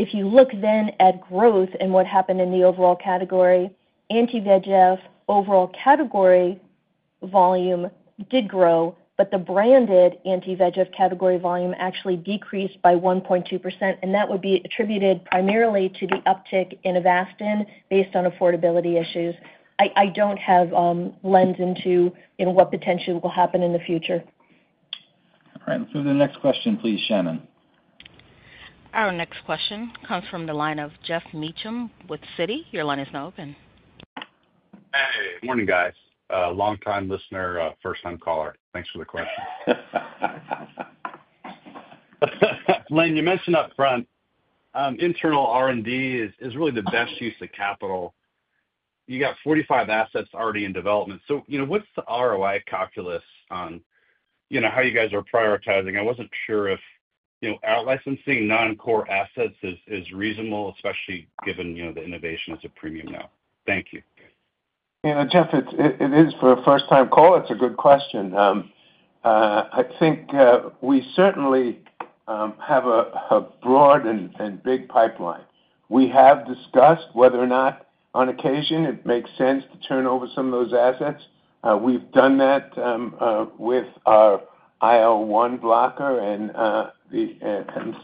If you look at growth and what happened in the overall category, anti-VEGF overall category volume did grow, but the branded anti-VEGF category volume actually decreased by 1.2%, and that would be attributed primarily to the uptick in Avastin based on affordability issues. I don't have lens into what potentially will happen in the future. All right, let's move to the next question, please Shannon. Our next question comes from the line of Geoff Meacham with Citi. Your line is now open. Morning guys. Longtime listener, first time caller. Thanks for the question. Len, you mentioned up front internal R&D is really the best use of capital. You got 45 assets already in development. What's the ROI calculus on how you guys are prioritizing? I wasn't sure if out licensing non-core assets is reasonable, especially given the innovation as a premium now. Thank you. Geoff, it is for a first time caller. It's a good question. I think we certainly have a broad and big pipeline. We have discussed whether or not on occasion it makes sense to turn over some of those assets. We've done that with our IL1 blocker and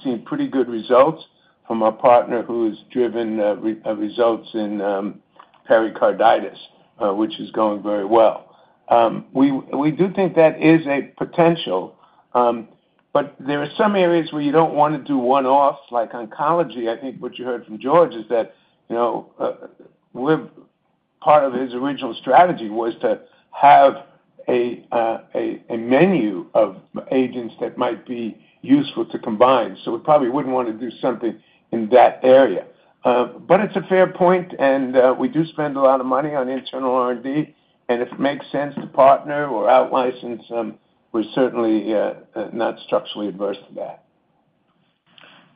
seen pretty good results from our partner who has driven results in pericarditis, which is going very well. We do think that is a potential. There are some areas where you don't want to do one offs like oncology. I think what you heard from George is that part of his original strategy was to have a menu of agents that might be useful to combine. We probably wouldn't want to do something in that area. It's a fair point and we do spend a lot of money on internal R&D, and if it makes sense to partner or outlicense, we're certainly not structurally adverse to that.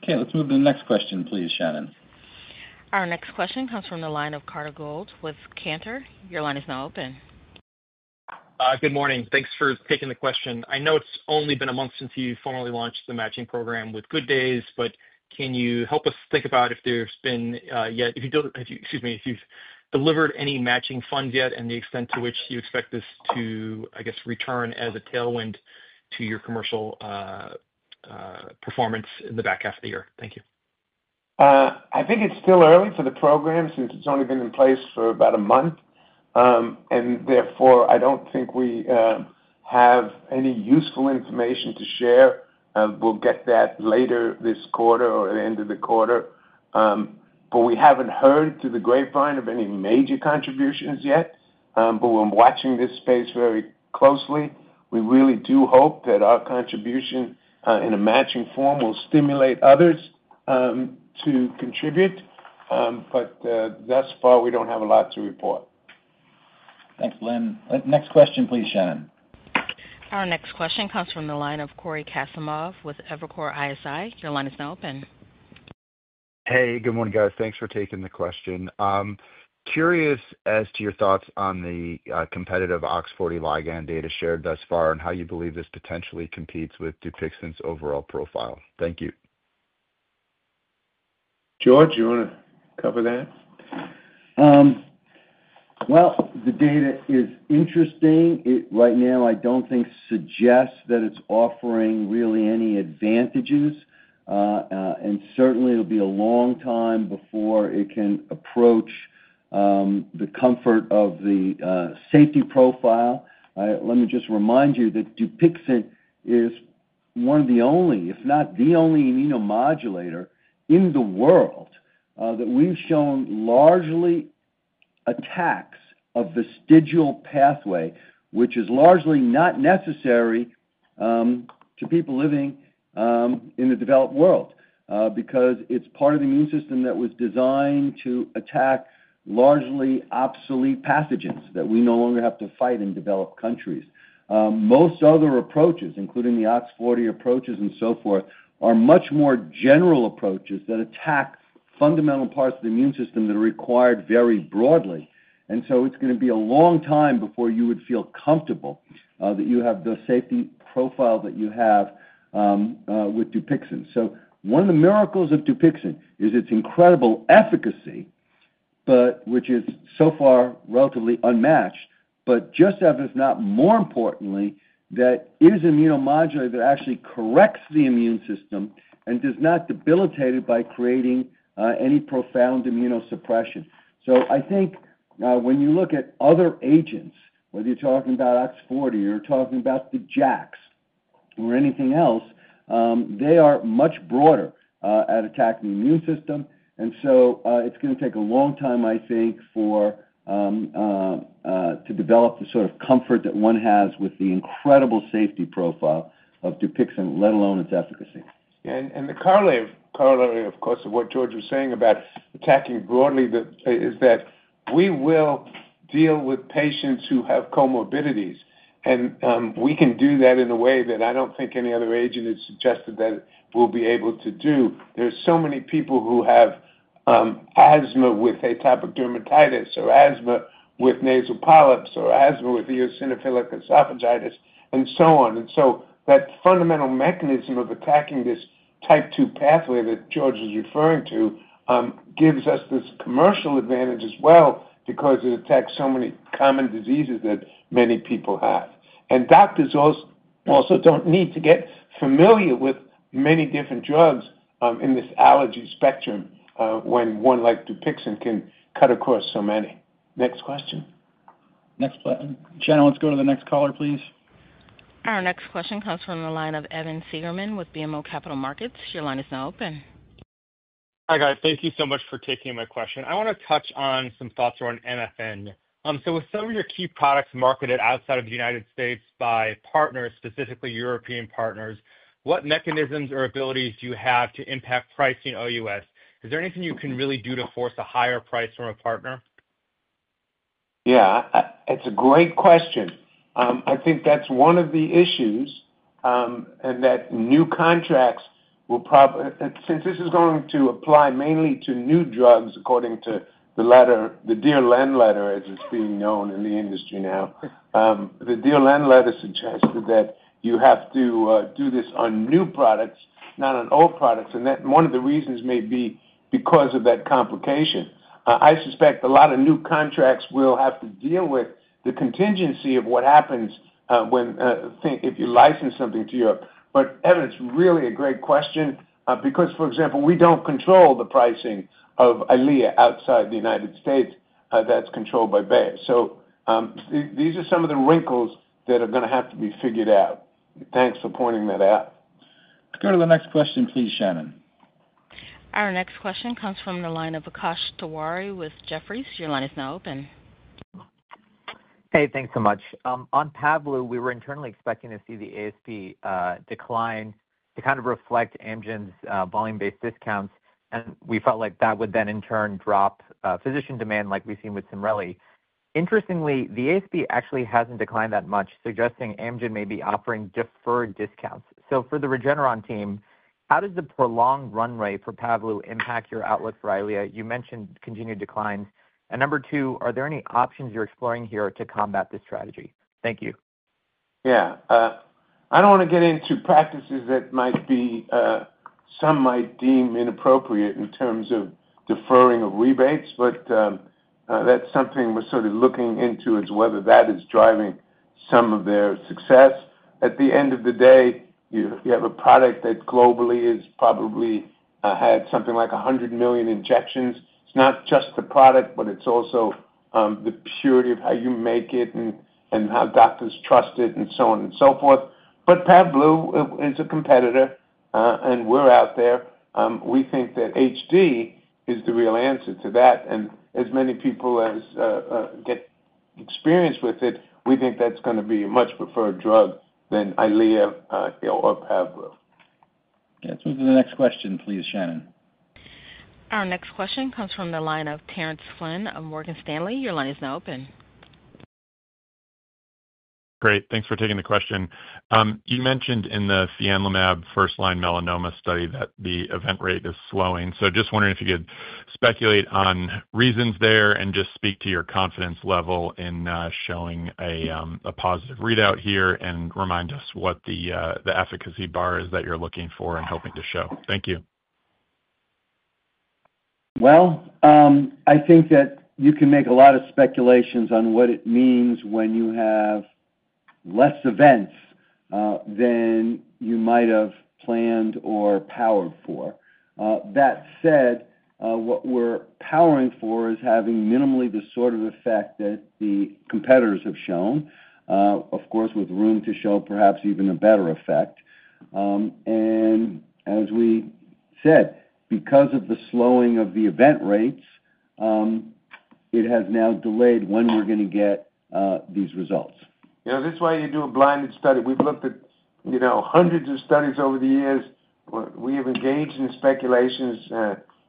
Okay, let's move to the next question, please Shannon. Our next question comes from the line of Carter Gould with Cantor. Your line is now open. Good morning. Thanks for taking the question. I know it's only been a month since you formally launched the matching program. With good days, can you help. us think about if there's been yet. If you don't, excuse me, if you delivered any matching funds yet. Extent to which you expect this to I guess return as a tailwind to your commercial performance in the back half of the year. Thank you. I think it's still early for the program since it's only been in place for about a month, and therefore I don't think we have any useful information to share. We'll get that later this quarter or the end of the quarter. We haven't heard through the grapevine of any major contributions yet. We're watching this space very closely. We really do hope that our contribution in a matching form will stimulate others to contribute, but thus far we don't have a lot to report. Thanks, Len. Next question, please Shannon. Our next question comes from the line of Cory Kasimov with Evercore ISI. Your line is now open. Hey, good morning, guys. Thanks for taking the question. Curious as to your thoughts on the competitive OX40 ligand data shared thus far, and how you believe this potentially competes with DUPIXENT's overall profile. Thank you. George, you want to cover that? The data is interesting right now. I don't think so. Suggest that it's offering really any advantages, and certainly it will be a long time before it can approach the comfort of the safety profile. Let me just remind you that DUPIXENT is one of the only, if not the only, immunomodulator in the world that we've shown largely attacks a vestigial pathway, which is largely not necessary to people living in the developed world because it's part of the immune system that was designed to attack largely obsolete pathogens that we no longer have to fight in developed countries. Most other approaches, including the OX40 approaches and so forth, are much more general approaches that attack fundamental parts of the immune system that are required very broadly. It's going to be a long time before you would feel comfortable that you have the safety profile that you have with DUPIXENT. One of the miracles of DUPIXENT is its incredible efficacy, which is so far relatively unmatched, but just as if not more importantly, that is immunomodulate that actually corrects the immune system and does not debilitate it by creating any profound immunosuppression. I think when you look at other agents, whether you're talking about OX40 or talking about the JAKs or anything else, they are much broader at attacking the immune system. It's going to take a long time, I think, to develop the sort of comfort that one has with the incredible safety profile of DUPIXENT, let alone its efficacy. The corollary, of course, of what George was saying about attacking broadly is that we will deal with patients who have comorbidities, and we can do that in a way that I don't think any other agent has suggested that we'll be able to do. There are so many people who have asthma with atopic dermatitis or asthma with nasal polyps, or asthma with eosinophilic esophagitis and so on. That fundamental mechanism of attacking this type 2 pathway that George is referring to gives us this commercial advantage as well because it attacks so many common diseases that many people have. Doctors also don't need to get familiar with many different drugs in this allergy spectrum when one like DUPIXENT can cut across so many. Next question. Next. Shannon, let's go to the next caller, please. Our next question comes from the line of Evan Seigerman with BMO Capital Markets. Your line is now open. Hi guys. Thank you so much for taking my question. I want to touch on some thoughts on MFN. With some of your key products marketed outside of the United States by partners, specifically European partners, what mechanisms or abilities do you have to impact pricing OUS? Is there anything you can really do to force a higher price from a partner? Yeah, it's a great question. I think that's one of the issues, and that new contracts will probably, since this is going to apply mainly to new drugs, according to the letter, the Dear Land letter as it's being known in the industry now. The Dear Land letter suggested that you have to do this on new products, not on old products. One of the reasons may be because of that complication. I suspect a lot of new contracts will have to deal with the contingency of what happens if you license something to Europe. Evan, it's really a great question because, for example, we don't control the pricing of EYLEA outside the U.S. That's controlled by Bayer. These are some of the wrinkles that are going to have to be figured out. Thanks for pointing that out. Let's go to the next question, please. Shannon. Our next question comes from the line of Akash Tiwari with Jefferies. Your line is now open. Hey, thanks so much. On Pavlo, we were internally expecting to see the ASP decline to kind of reflect Amgen's volume-based discounts. We felt like that would then in turn drop physician demand like we've seen with Cimrelli. Interestingly, the ASP actually hasn't declined that much, suggesting Amgen may be offering deferred discounts. For the Regeneron team, how does the prolonged run rate for Pavlo impact your outlook for EYLEA? You mentioned continued declines. Number two, are there any options you're exploring here to combat this strategy? Thank you. Yeah, I don't want to get into practices that some might deem inappropriate in terms of deferring of rebates, but that's something we're sort of looking into, is whether that is driving some of their success. At the end of the day, you have a product that globally has probably had something like 100 million injections. It's not just the product, but it's also the purity of how you make it and how doctors trust it and so on and so forth. Amgen is a competitor and we're out there. We think that EYLEA HD is the real answer to that. As many people as get experience with it, we think that's going to be a much preferred drug than EYLEA or other competitors. Let's move to the next question, please Shannon. Our next question comes from the line of Terence Flynn of Morgan Stanley. Your line is now open. Great. Thanks for taking the question. You mentioned in the fianlimab first line melanoma study that the event rate is slowing. Just wondering if you could speculate on reasons there and speak to your confidence level in showing a positive readout here, and remind us what the efficacy bar is that you're looking for and hoping to show. Thank you. I think that you can make a lot of speculations on what it means when you have fewer events than you might have planned or powered for. That said, what we're powering for is having minimally the sort of effect that the competitors have shown, with room to show perhaps even a better effect. As we said, because of the slowing of the event rates, it has now delayed when we're going to get these results. This is why you do a blinded study. We've looked at hundreds of studies over the years. We have engaged in speculations.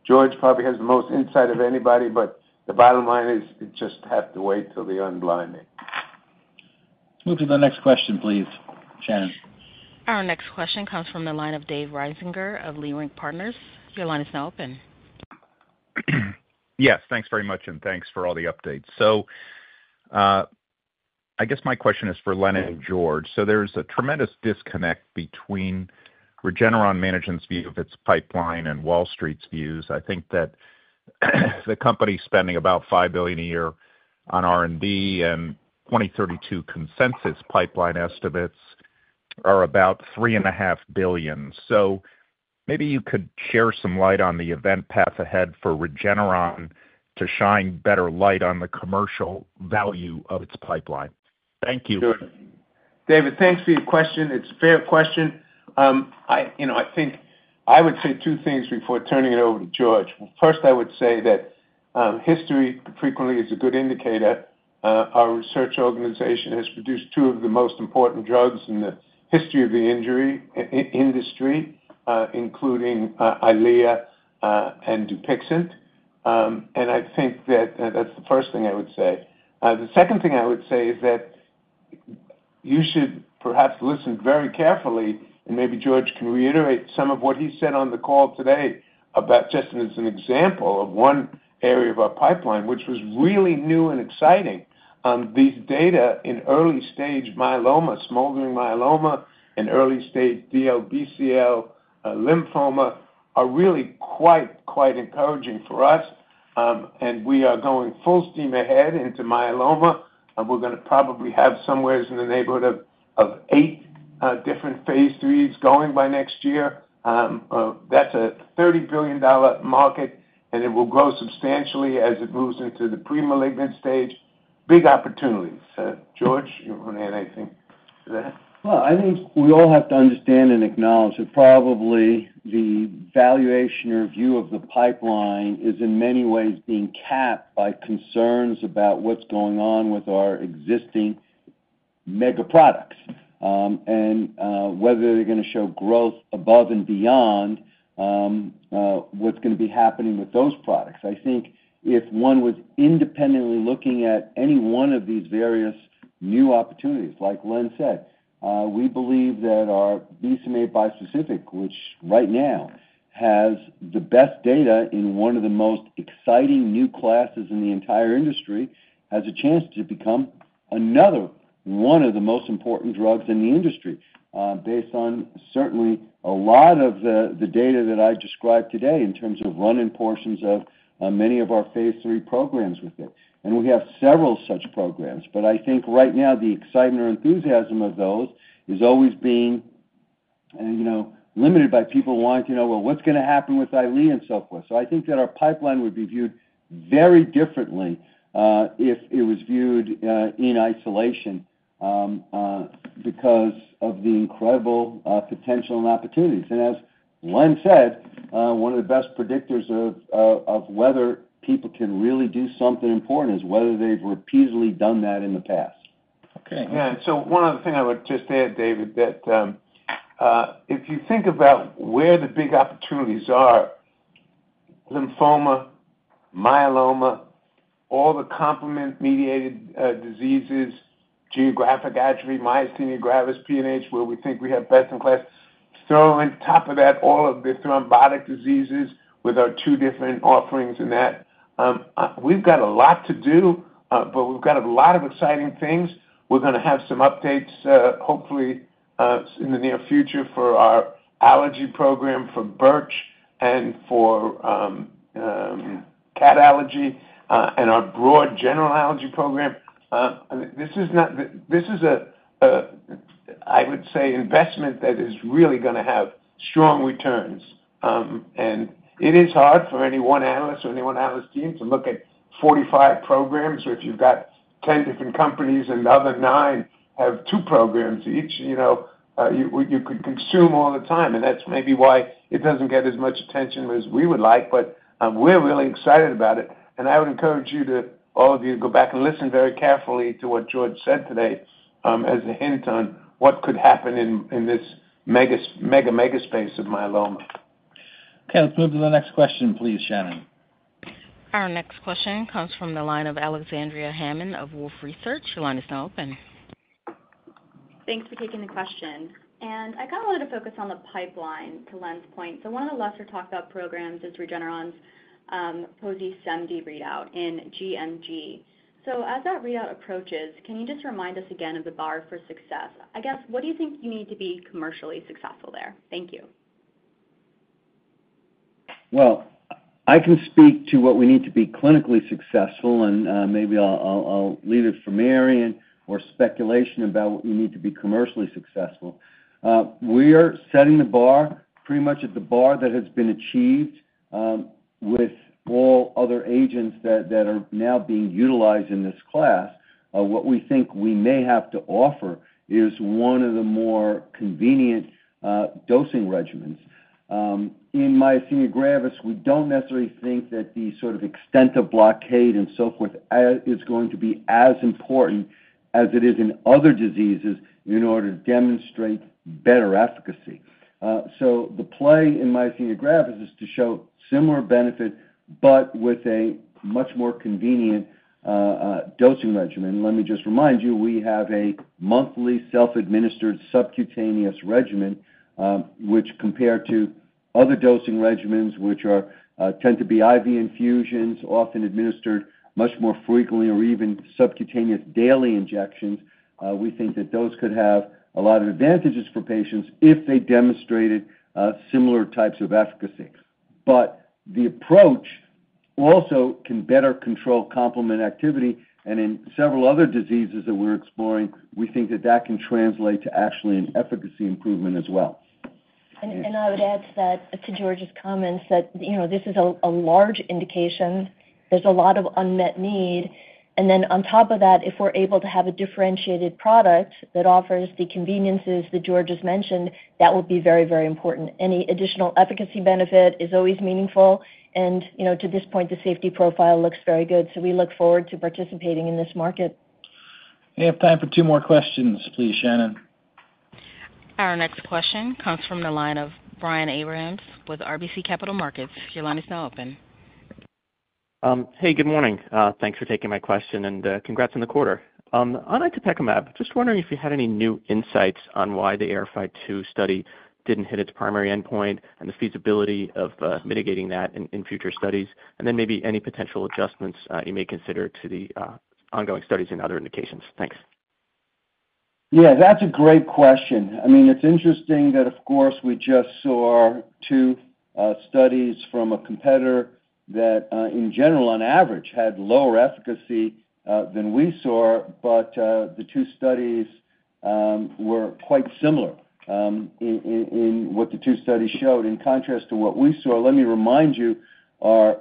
George probably has the most insight of anybody, but the bottom line is you just have to wait until the unblinding. Move to the next question, please Shannon. Our next question comes from the line of Dave Risinger of Leerink Partners. Your line is now open. Yes, thanks very much and thanks for all the updates. I guess my question is for Leonard and George. There's a tremendous disconnect between Regeneron Management's view of its pipeline and Wall Street's views. I think that the company is spending about $5 billion a year on R&D and 2032 consensus pipeline estimates are about $3.5 billion. Maybe you could share some light on the event path ahead for Regeneron to shine better light on the commercial value of its pipeline. Thank you. David. Thanks for your question. It's a fair question. I think I would say two things before turning it over to George. First, I would say that history frequently is a good indicator. Our research organization has produced two of the most important drugs in the history of the industry, including EYLEA and DUPIXENT. I think that that's the first thing I would say. The second thing I would say is that you should perhaps listen very carefully and maybe George can reiterate some of what he said on the call today about, just as an example of one area of our pipeline which was really new and exciting, these data in early stage myeloma, smoldering myeloma, and early stage DLBCL lymphoma are really quite, quite encouraging for us. We are going full steam ahead into myeloma. We're going to probably have somewhere in the neighborhood of eight different phase III's going by next year. That's a $30 billion market and it will grow substantially as it moves into the pre-malignant stage. Big opportunities. George, you want to add anything to that? I think we all have to understand and acknowledge that probably the valuation review of the pipeline is in many ways being capped by concerns about what's going on with our existing megaproducts and whether they're going to show growth above and beyond what's going to be happening with those products. I think if one was independently looking at any one of these various new opportunities, like Len said, we believe that our BCMA bispecific, which right now has the best data in one of the most exciting new classes in the entire industry, has a chance to become another one of the most important drugs in the industry based on certainly a lot of the data that I described today in terms of running portions of many of our phase III programs with it. We have several such programs. I think right now the excitement or enthusiasm of those is always being limited by people wanting to know, what's going to happen with EYLEA and so forth. I think that our pipeline would be viewed very differently if it was viewed in isolation because of the incredible potential and opportunities. As Len said, one of the best predictors of whether people can really do something important is whether they've repeatedly done that in the past. One other thing I would just add, David, that if you think about where the big opportunities are, lymphoma, myeloma, all the complement mediated diseases, geographic atrophy, myasthenia gravis, PNH, where we think we have best in class, throw on top of that all of the thrombotic diseases with our two different offerings in that, we've got a lot to do, but we've got a lot of exciting things. We're going to have some updates hopefully in the near future for our allergy program, for birch and for cat allergy and our broad general allergy program. This is, I would say, investment that is really going to have strong returns. It is hard for any one analyst or any one analyst team to look at 45 programs have 10 different companies, and the other nine have two programs each. You could consume all the time. That is maybe why it does not get as much attention as we would like. We are really excited about it. I would encourage all of you to go back and listen very carefully to what George said today as a hint on what could happen in this mega megaspace of myeloma. Okay, let's move to the next question, please Shannon. Our next question comes from the line of Alexandria Hammond of Wolfe Research. Your line is now open. Thanks for taking the question. I wanted to focus on the pipeline to lend point, one of the lesser talked about programs is Regeneron's positive C5 antibody readout in generalized myasthenia gravis. As that readout approaches, can you just remind us again of the bar for success? I guess. What do you think you need to be commercially successful there? Thank you. I can speak to what we need to be clinically successful, and maybe I'll leave it for Marion or speculation about what we need to be commercially successful. We are setting the bar pretty much at the bar that has been achieved with all other agents that are now being utilized in this clinical. What we think we may have to offer is one of the more convenient dosing regimens in myasthenia gravis. We don't necessarily think that the sort of extent of blockade and so forth is going to be as important as it is in other diseases in order to demonstrate better efficacy. The play in myasthenia gravis is to show similar benefit, but with a much more convenient dosing regimen. Let me just remind you we have a monthly self-administered subcutaneous regimen, which compared to other dosing regimens, which tend to be IV infusions often administered much more frequently, or even subcutaneous daily injections. We think that those could have a lot of advantages for patients if they demonstrated similar types of efficacy. The approach also can better control complement activity, and in several other diseases that we're exploring, we think that that can translate to actually an efficacy improvement as well. I would add to George's comments that this is a large indication, there's a lot of unmet need. On top of that, if we're able to have a differentiated product that offers the conveniences that George has mentioned, that will be very, very important. Any additional efficacy benefit is always meaningful. To this point, the safety profile looks very good. We look forward to participating in this market. We have time for two more questions, please Shannon. Our next question comes from the line of Brian Abrahams with RBC Capital Markets. Your line is now open. Hey, good morning. Thanks for taking my question and congrats on the quarter on itepekimab. Just wondering if you had any new insights on why the ARIFI 2 study didn't hit its primary endpoint and the feasibility of mitigating that in future studies, and then maybe any potential adjustments you may consider to the ongoing studies and other indications. Thanks. Yeah, that's a great question. It's interesting that of course we just saw two studies from a competitor that in general on average had lower efficacy than we saw. The two studies were quite similar in what the two studies showed in contrast to what we saw. Let me remind you, our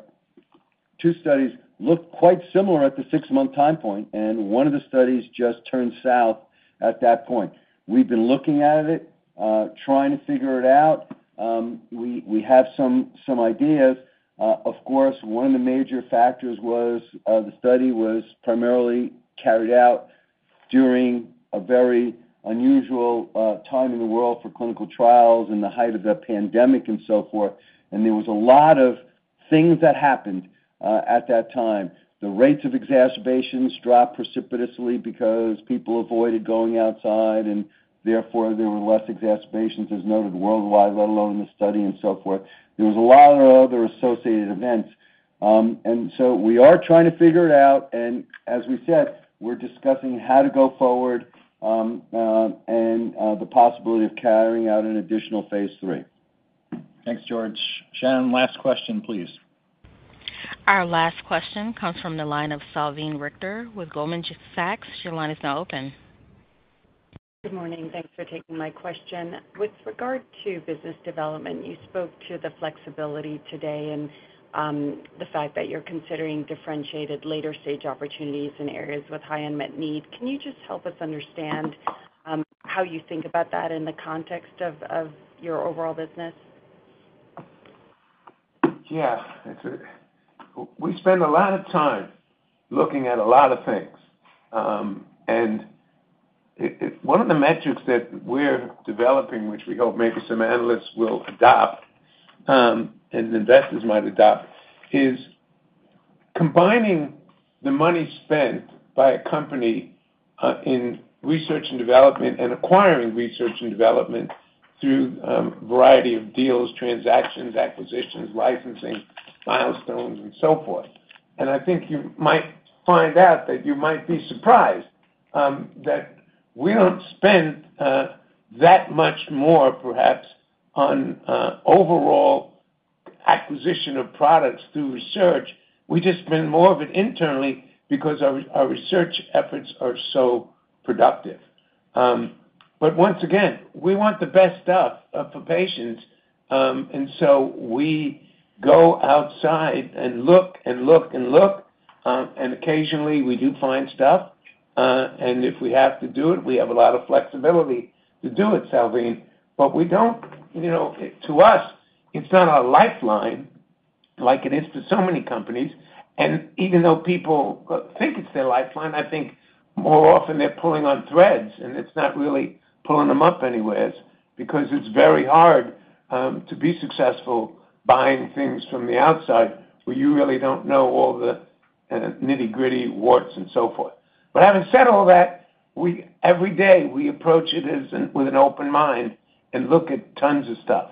two studies look quite similar at the six month time point. One of the studies just turned south at that point. We've been looking at it, trying to figure it out. We have some ideas. Of course, one of the major factors was the study was primarily carried out during a very unusual time in the world for clinical trials, in the height of the pandemic and so forth. There was a lot of things that happened at that time. The rates of exacerbations dropped precipitously because people avoided going outside and therefore there were less exacerbations as noted worldwide, let alone in the study. There was a lot of other associated events. We are trying to figure it out. As we said, we're discussing how to go forward and the possibility of carrying out an additional phase III. Thanks George. Shannon, last question, please. Our last question comes from the line of Salveen Richter with Goldman Sachs. Your line is now open. Good morning. Thanks for taking my question. With regard to business development, you spoke to the flexibility today and the fact that you're considering differentiated later stage opportunities in areas with high unmet need. Can you help us understand how you think about that in the context of your overall business? Yeah, we spend a lot of time looking at a lot of things, and one of the metrics that we're developing, which we hope maybe some analysts will adopt and investors might adopt, is combining the money spent by a company in research and development and acquiring research and development through a variety of deals, transactions, acquisitions, licensing files, and so forth. I think you might find out that you might be surprised that we don't spend that much more perhaps on overall acquisition of products through research. We just spend more of it internally because our research efforts are so productive. We want the best stuff for patients, so we go outside and look and look and look. Occasionally we do find stuff, and if we have to do it, we have a lot of flexibility to do it. We don't, you know, to us it's not our lifeline like it is for so many companies. Even though people think it's their lifeline, I think more often they're pulling on threads, and it's not really pulling them up anywhere because it's very hard to be successful buying things from the outside where you really don't know all the nitty gritty warts and so forth. Having said all that, every day we approach it with an open mind and look at tons of stuff.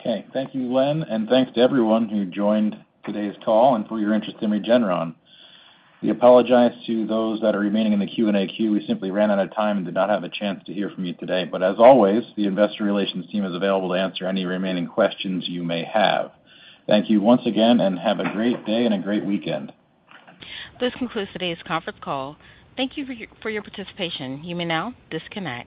Okay, thank you, Len, and thanks to everyone who joined today's call and for your interest in Regeneron. We apologize to those that are remaining in the Q&A queue. We simply ran out of time and did not have a chance to hear from you today. As always, the Investor Relations team is available to answer any remaining questions you may have. Thank you once again and have a great day and a great weekend. This concludes today's conference call. Thank you for your participation. You may now disconnect.